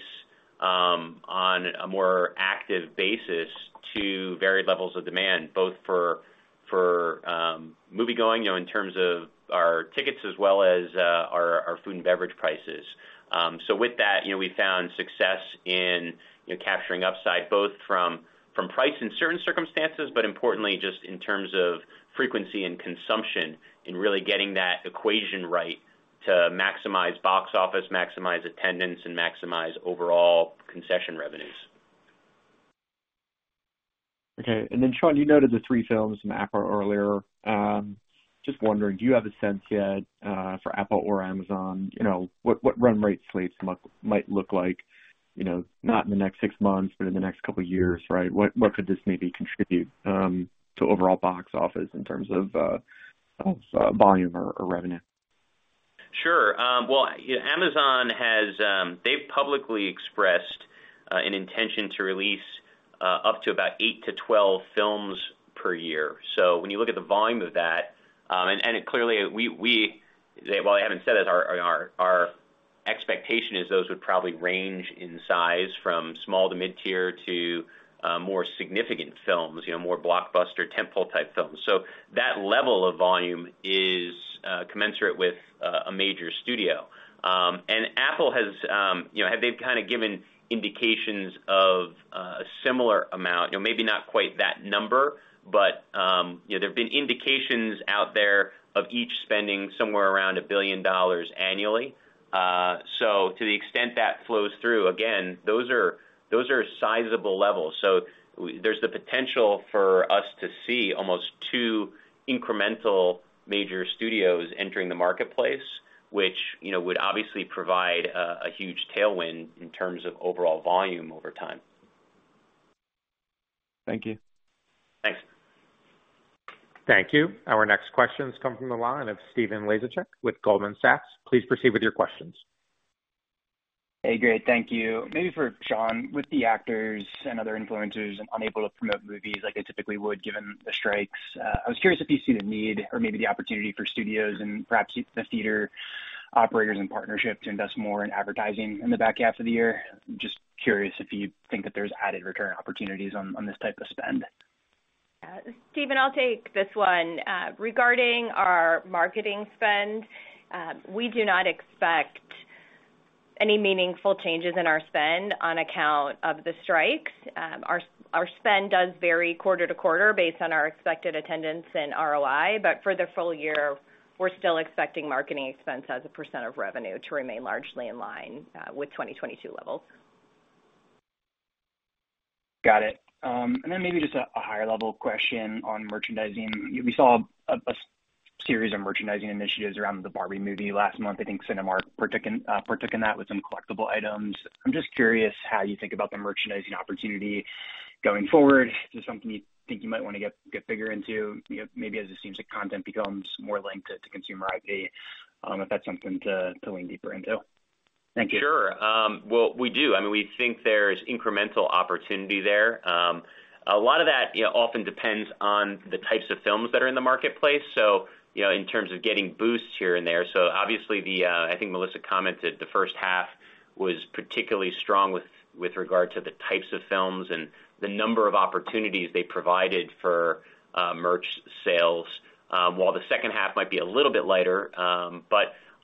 on a more active basis to varied levels of demand, both for, for moviegoing, you know, in terms of our tickets as well as our, our food and beverage prices. With that, you know, we found success in, you know, capturing upside, both from, from price in certain circumstances, but importantly, just in terms of frequency and consumption, and really getting that equation right to maximize box office, maximize attendance, and maximize overall concession revenues. Okay. Then, Sean, you noted the three films from Apple earlier. Just wondering, do you have a sense yet, for Apple or Amazon, you know, what run rate rates might look like? You know, not in the next six months, but in the next couple of years, right? What could this maybe contribute to overall box office in terms of volume or revenue? Sure. Well, Amazon has. They've publicly expressed an intention to release up to about eight to 12 films per year. When you look at the volume of that, and clearly we, well, I haven't said it, our expectation is those would probably range in size from small to mid-tier to more significant films, you know, more blockbuster tentpole-type films. That level of volume is commensurate with a major studio. Apple has, you know, they've kind of given indications of a similar amount, you know, maybe not quite that number, but, you know, there have been indications out there of each spending somewhere around $1 billion annually. To the extent that flows through, again, those are, those are sizable levels. There's the potential for us to see almost two incremental major studios entering the marketplace, which, you know, would obviously provide a huge tailwind in terms of overall volume over time. Thank you. Thanks. Thank you. Our next question has come from the line of Stephen Laszczyk with Goldman Sachs. Please proceed with your questions. Hey, great. Thank you. Maybe for Sean, with the actors and other influencers unable to promote movies like they typically would, given the strikes, I was curious if you see the need or maybe the opportunity for studios and perhaps the theater operators and partnerships to invest more in advertising in the back half of the year. Just curious if you think that there's added return opportunities on this type of spend? Stephen, I'll take this one. Regarding our marketing spend, we do not expect any meaningful changes in our spend on account of the strikes. Our spend does vary quarter to quarter based on our expected attendance and ROI, but for the full year, we're still expecting marketing expense as a % of revenue to remain largely in line with 2022 levels. Got it. Then maybe just a, a higher level question on merchandising. We saw a, a series of merchandising initiatives around the Barbie last month. I think Cinemark partaken, partaken that with some collectible items. I'm just curious how you think about the merchandising opportunity going forward. Is this something you think you might want to get, get bigger into, you know, maybe as it seems like content becomes more linked to, to consumer IP, if that's something to, to lean deeper into? Sure. Well, we do. I mean, we think there's incremental opportunity there. A lot of that, you know, often depends on the types of films that are in the marketplace, so, you know, in terms of getting boosts here and there. Obviously, the, I think Melissa commented, the first half was particularly strong with, with regard to the types of films and the number of opportunities they provided for, merch sales, while the second half might be a little bit lighter.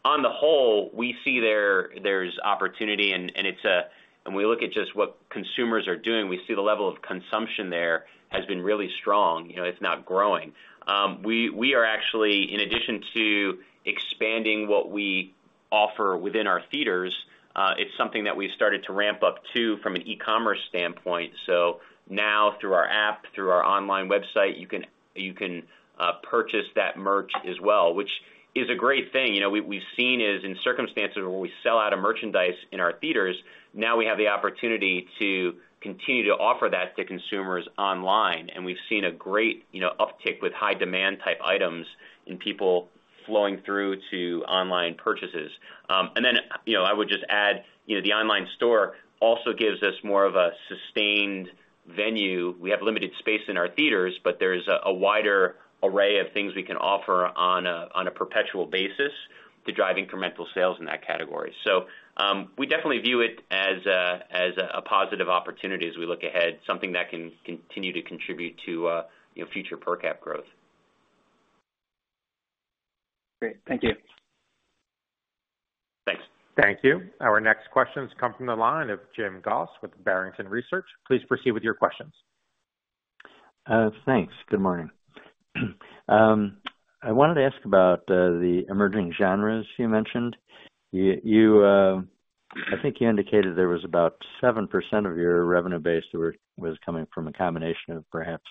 On the whole, we see there, there's opportunity, and, and it's when we look at just what consumers are doing, we see the level of consumption there has been really strong. You know, it's not growing. We, we are actually, in addition to expanding what we offer within our theaters, it's something that we started to ramp up to from an e-commerce standpoint. Now, through our app, through our online website, you can, you can purchase that merch as well, which is a great thing. You know, we, we've seen is in circumstances where we sell out a merchandise in our theaters, now we have the opportunity to continue to offer that to consumers online, and we've seen a great, you know, uptick with high demand-type items and people flowing through to online purchases. You know, I would just add, you know, the online store also gives us more of a sustained venue. We have limited space in our theaters, but there's a, a wider array of things we can offer on a, on a perpetual basis to drive incremental sales in that category. We definitely view it as a, as a, a positive opportunity as we look ahead, something that can continue to contribute to, you know, future per cap growth. Great. Thank you. Thanks. Thank you. Our next questions come from the line of Jim Goss with Barrington Research. Please proceed with your questions. Thanks. Good morning. I wanted to ask about the emerging genres you mentioned. You, you, I think you indicated there was about 7% of your revenue base was coming from a combination of perhaps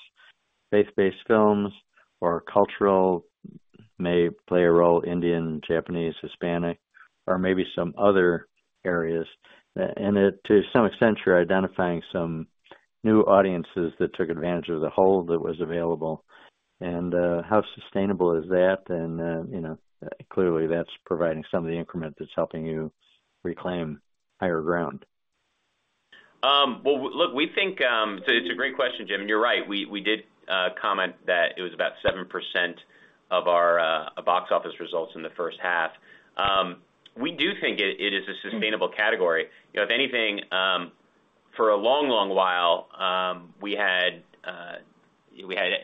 faith-based films or cultural may play a role, Indian, Japanese, Hispanic, or maybe some other areas. It, to some extent, you're identifying some new audiences that took advantage of the hold that was available. How sustainable is that? You know, clearly, that's providing some of the increment that's helping you reclaim higher ground. Well, look, we think it's a great question, Jim, and you're right. We, we did comment that it was about 7% of our box office results in the first half. We do think it, it is a sustainable category. You know, if anything, for a long, long while, we had, we had a,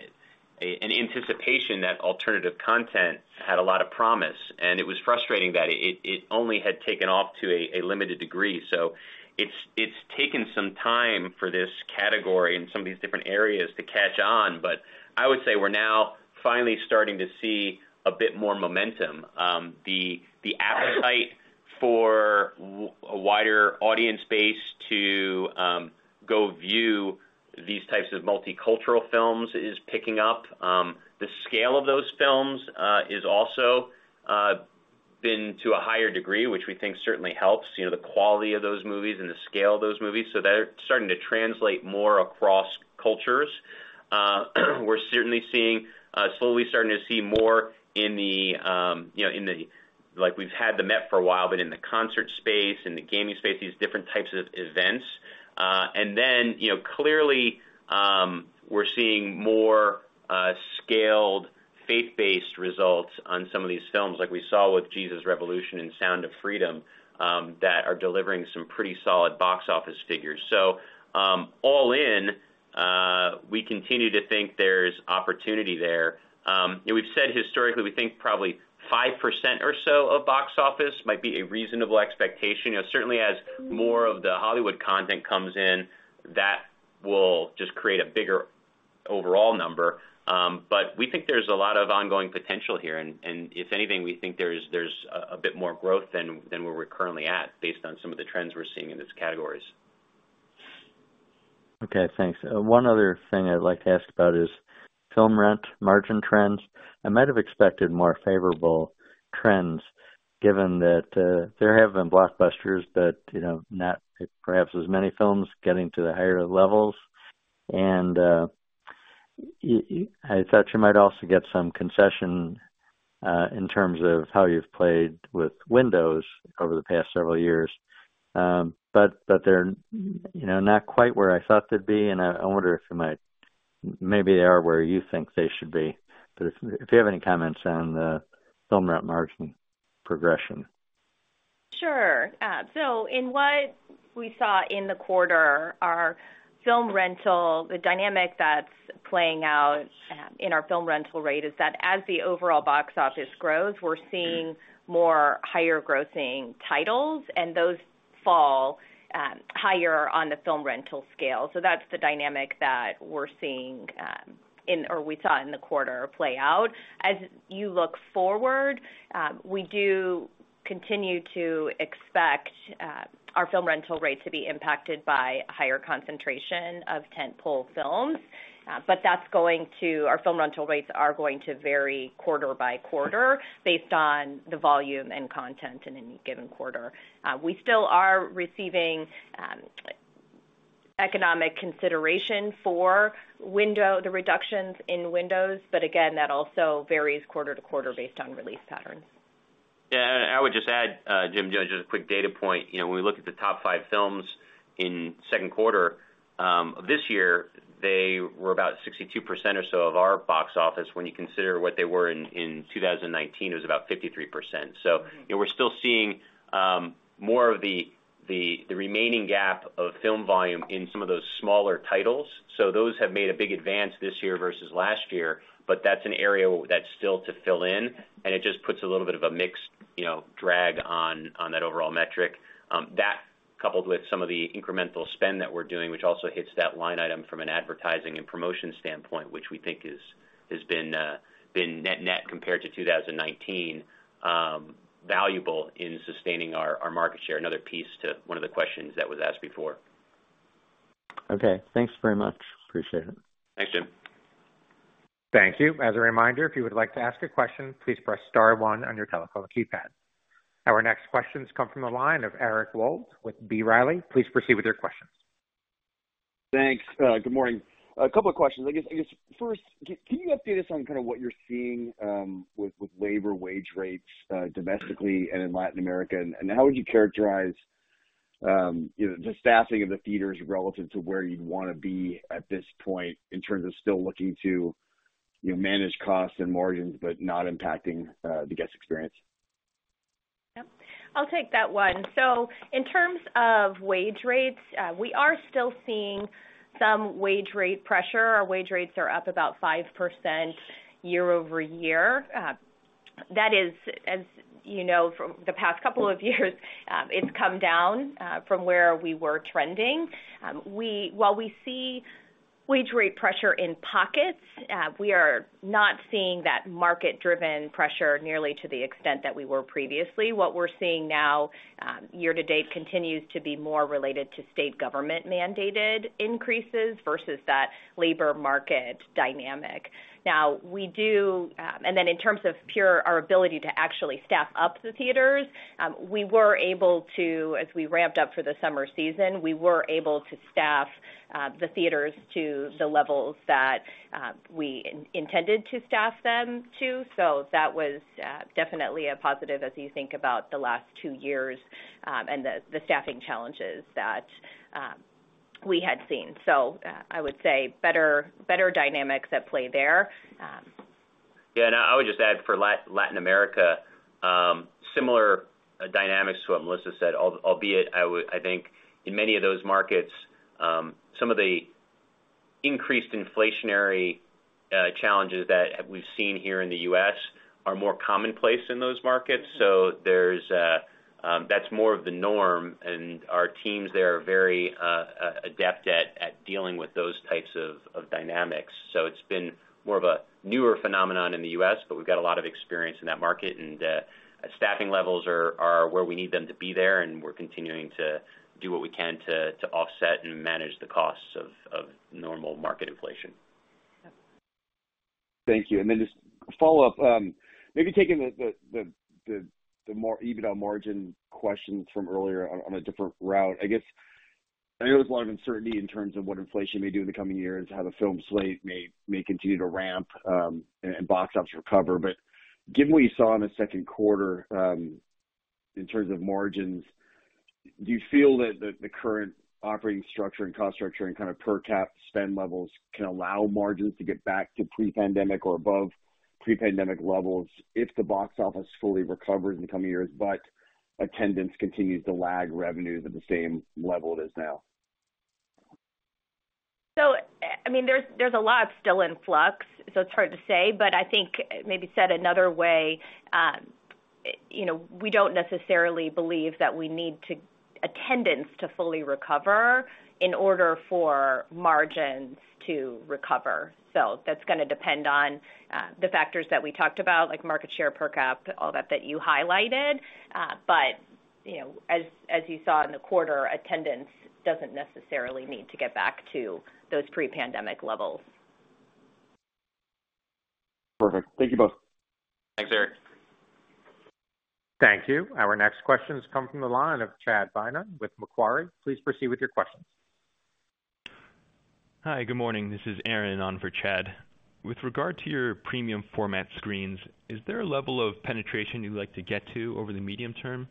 an anticipation that alternative content had a lot of promise, and it was frustrating that it, it only had taken off to a, a limited degree. It's, it's taken some time for this category and some of these different areas to catch on, but I would say we're now finally starting to see a bit more momentum. The, the appetite for a wider audience base to go view these types of multicultural films is picking up. The scale of those films is also been to a higher degree, which we think certainly helps, you know, the quality of those movies and the scale of those movies. They're starting to translate more across cultures. We're certainly seeing, slowly starting to see more in the, you know, in the, like, we've had The Met for a while, but in the concert space and the gaming space, these different types of events. You know, clearly, we're seeing more scaled, faith-based results on some of these films, like we saw with Jesus Revolution and Sound of Freedom that are delivering some pretty solid box office figures. All in, we continue to think there's opportunity there. We've said historically, we think probably 5% or so of box office might be a reasonable expectation. You know, certainly as more of the Hollywood content comes in, that will just create a bigger overall number. We think there's a lot of ongoing potential here, and, and if anything, we think there's, there's a, a bit more growth than, than where we're currently at, based on some of the trends we're seeing in these categories. Okay, thanks. one other thing I'd like to ask about is film rent margin trends. I might have expected more favorable trends given that, there have been blockbusters, but, you know, not perhaps as many films getting to the higher levels. I thought you might also get some concession, in terms of how you've played with windows over the past several years. but, but they're, you know, not quite where I thought they'd be, and I, I wonder if you might maybe they are where you think they should be. But if, if you have any comments on the film rent margin progression? Sure. In what we saw in the quarter, our film rental, the dynamic that's playing out in our film rental rate, is that as the overall box office grows, we're seeing more higher grossing titles, and those fall higher on the film rental scale. That's the dynamic that we're seeing in or we saw in the quarter play out. As you look forward, we do continue to expect our film rental rate to be impacted by a higher concentration of tent-pole films. Our film rental rates are going to vary quarter by quarter based on the volume and content in any given quarter. We still are receiving economic consideration for window, the reductions in windows, but again, that also varies quarter to quarter based on release patterns. Yeah, and I would just add, Jim, just a quick data point. You know, when we look at the top five films in second quarter, this year, they were about 62% or so of our box office. When you consider what they were in, in 2019, it was about 53%. You know, we're still seeing, more of the, the, the remaining gap of film volume in some of those smaller titles. Those have made a big advance this year versus last year, but that's an area that's still to fill in, and it just puts a little bit of a mix, you know, drag on, on that overall metric. That coupled with some of the incremental spend that we're doing, which also hits that line item from an advertising and promotion standpoint, which we think has been net net, compared to 2019, valuable in sustaining our, our market share. Another piece to one of the questions that was asked before. Okay, thanks very much. Appreciate it. Thanks, Jim. Thank you. As a reminder, if you would like to ask a question, please press star one on your telephone keypad. Our next questions come from the line of Eric Wold with B. Riley. Please proceed with your questions. Thanks. Good morning. A couple of questions. I guess, first, can you update us on kind of what you're seeing with labor wage rates domestically and in Latin America? How would you characterize, you know, the staffing of the theaters relative to where you'd want to be at this point in terms of still looking to, you know, manage costs and margins, but not impacting the guest experience? Yep. I'll take that one. In terms of wage rates, we are still seeing some wage rate pressure. Our wage rates are up about 5% year-over-year. That is, as you know, from the past couple of years, it's come down from where we were trending. While we see wage rate pressure in pockets, we are not seeing that market-driven pressure nearly to the extent that we were previously. What we're seeing now, year to date, continues to be more related to state government-mandated increases versus that labor market dynamic. Now, we do, then in terms of pure, our ability to actually staff up the theaters, we were able to, as we ramped up for the summer season, we were able to staff the theaters to the levels that we intended to staff them to. That was definitely a positive as you think about the last 2 years, and the, the staffing challenges that we had seen. I would say better, better dynamics at play there. Yeah, and I would just add for Latin America, similar dynamics to what Melissa said, albeit I think in many of those markets, some of the increased inflationary challenges that we've seen here in the U.S. are more commonplace in those markets. That's more of the norm, and our teams there are very adept at dealing with those types of dynamics. It's been more of a newer phenomenon in the U.S., but we've got a lot of experience in that market, and staffing levels are where we need them to be there, and we're continuing to do what we can to offset and manage the costs of normal market inflation. Yep. Thank you. Just a follow-up. Maybe taking the more EBITDA margin question from earlier on, on a different route. I guess, I know there's a lot of uncertainty in terms of what inflation may do in the coming years, how the film slate may continue to ramp and box office recover. Given what you saw in the second quarter, in terms of margins, do you feel that the current operating structure and cost structure and kind of per cap spend levels can allow margins to get back to pre-pandemic or above pre-pandemic levels if the box office fully recovers in the coming years, but attendance continues to lag revenues at the same level it is now? I mean, there's, there's a lot still in flux, so it's hard to say. I think maybe said another way, you know, we don't necessarily believe that we need to attendance to fully recover in order for margins to recover. That's going to depend on the factors that we talked about, like market share per cap, all that, that you highlighted. You know, as, as you saw in the quarter, attendance doesn't necessarily need to get back to those pre-pandemic levels. Perfect. Thank you both. Thanks, Eric. Thank you. Our next question comes from the line of Chad Beynon with Macquarie. Please proceed with your questions. Hi, good morning. This is Aaron on for Chad. With regard to your premium format screens, is there a level of penetration you'd like to get to over the medium term?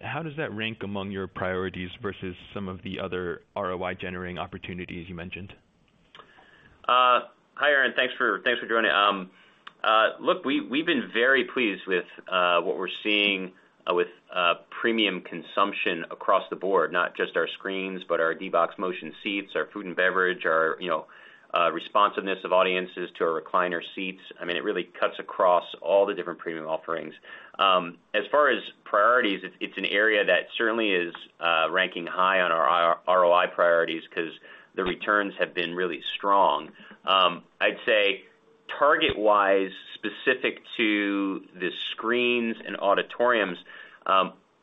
How does that rank among your priorities versus some of the other ROI-generating opportunities you mentioned? Hi, Aaron. Thanks for, thanks for joining. Look, we, we've been very pleased with what we're seeing with premium consumption across the board, not just our screens, but our D-BOX motion seats, our food and beverage, our, you know, responsiveness of audiences to our recliner seats. I mean, it really cuts across all the different premium offerings. As far as priorities, it's, it's an area that certainly is ranking high on our ROI priorities because the returns have been really strong. I'd say target-wise, specific to the screens and auditoriums,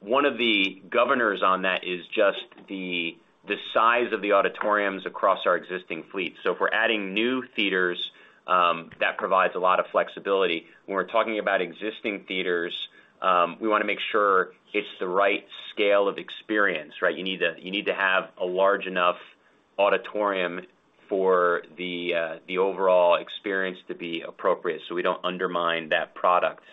one of the governors on that is just the size of the auditoriums across our existing fleet. If we're adding new theaters, that provides a lot of flexibility. When we're talking about existing theaters, we want to make sure it's the right scale of experience, right? You need to, you need to have a large enough auditorium for the overall experience to be appropriate, so we don't undermine that product.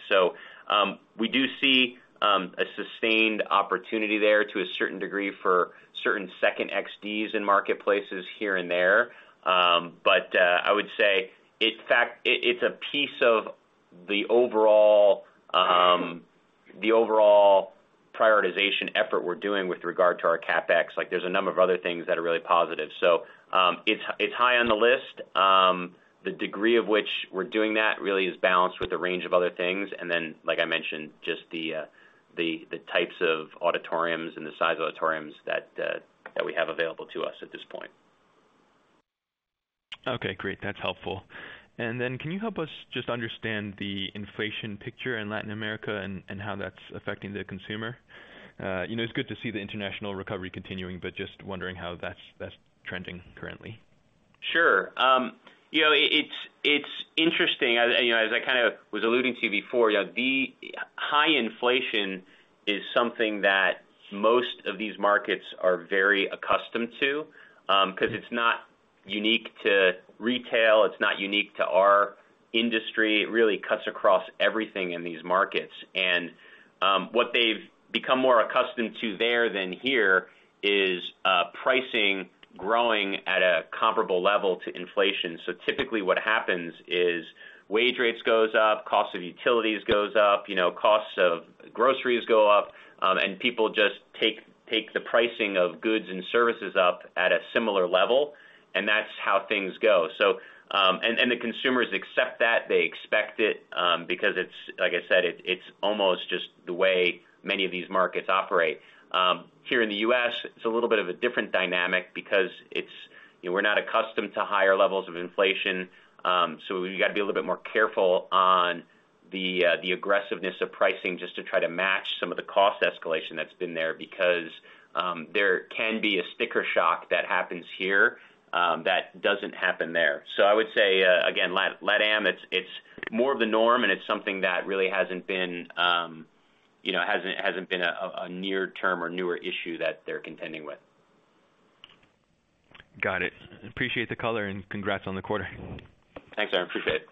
We do see a sustained opportunity there to a certain degree for certain second XDs in marketplaces here and there. I would say, it's a piece of the overall, the overall prioritization effort we're doing with regard to our CapEx. Like, there's a number of other things that are really positive. It's, it's high on the list. The degree of which we're doing that really is balanced with a range of other things. Then, like I mentioned, just the types of auditoriums and the size of auditoriums that we have available to us at this point. Okay, great. That's helpful. Can you help us just understand the inflation picture in Latin America and, and how that's affecting the consumer? You know, it's good to see the international recovery continuing, but just wondering how that's, that's trending currently. Sure. You know, it's, it's interesting. As, you know, as I kind of was alluding to before, you know, the high inflation is something that most of these markets are very accustomed to, 'cause it's not unique to retail, it's not unique to our industry. It really cuts across everything in these markets. What they've become more accustomed to there than here is pricing growing at a comparable level to inflation. Typically, what happens is wage rates goes up, cost of utilities goes up, you know, costs of groceries go up, and people just take the pricing of goods and services up at a similar level, and that's how things go. The consumers accept that. They expect it, because it's, like I said, it's almost just the way many of these markets operate. Here in the U.S., it's a little bit of a different dynamic because it's, you know, we're not accustomed to higher levels of inflation. We've got to be a little bit more careful on the aggressiveness of pricing just to try to match some of the cost escalation that's been there, because there can be a sticker shock that happens here, that doesn't happen there. I would say, again, LatAm, it's, it's more of the norm, and it's something that really hasn't been, you know, hasn't, hasn't been a, a near-term or newer issue that they're contending with. Got it. Appreciate the color. Congrats on the quarter. Thanks, Aaron. Appreciate it.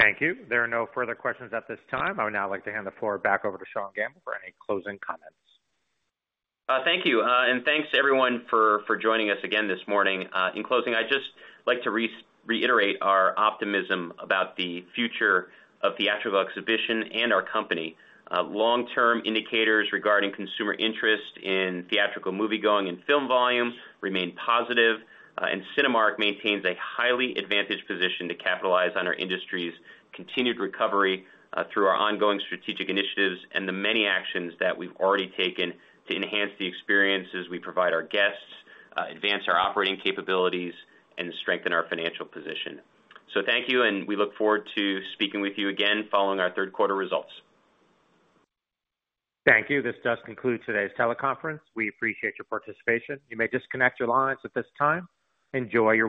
Thank you. There are no further questions at this time. I would now like to hand the floor back over to Sean Gamble for any closing comments. Thank you. Thanks to everyone for, for joining us again this morning. In closing, I'd just like to reiterate our optimism about the future of theatrical exhibition and our company. Long-term indicators regarding consumer interest in theatrical moviegoing and film volumes remain positive, and Cinemark maintains a highly advantaged position to capitalize on our industry's continued recovery, through our ongoing strategic initiatives and the many actions that we've already taken to enhance the experiences we provide our guests, advance our operating capabilities, and strengthen our financial position. Thank you, and we look forward to speaking with you again following our third quarter results. Thank you. This does conclude today's teleconference. We appreciate your participation. You may disconnect your lines at this time. Enjoy your weekend.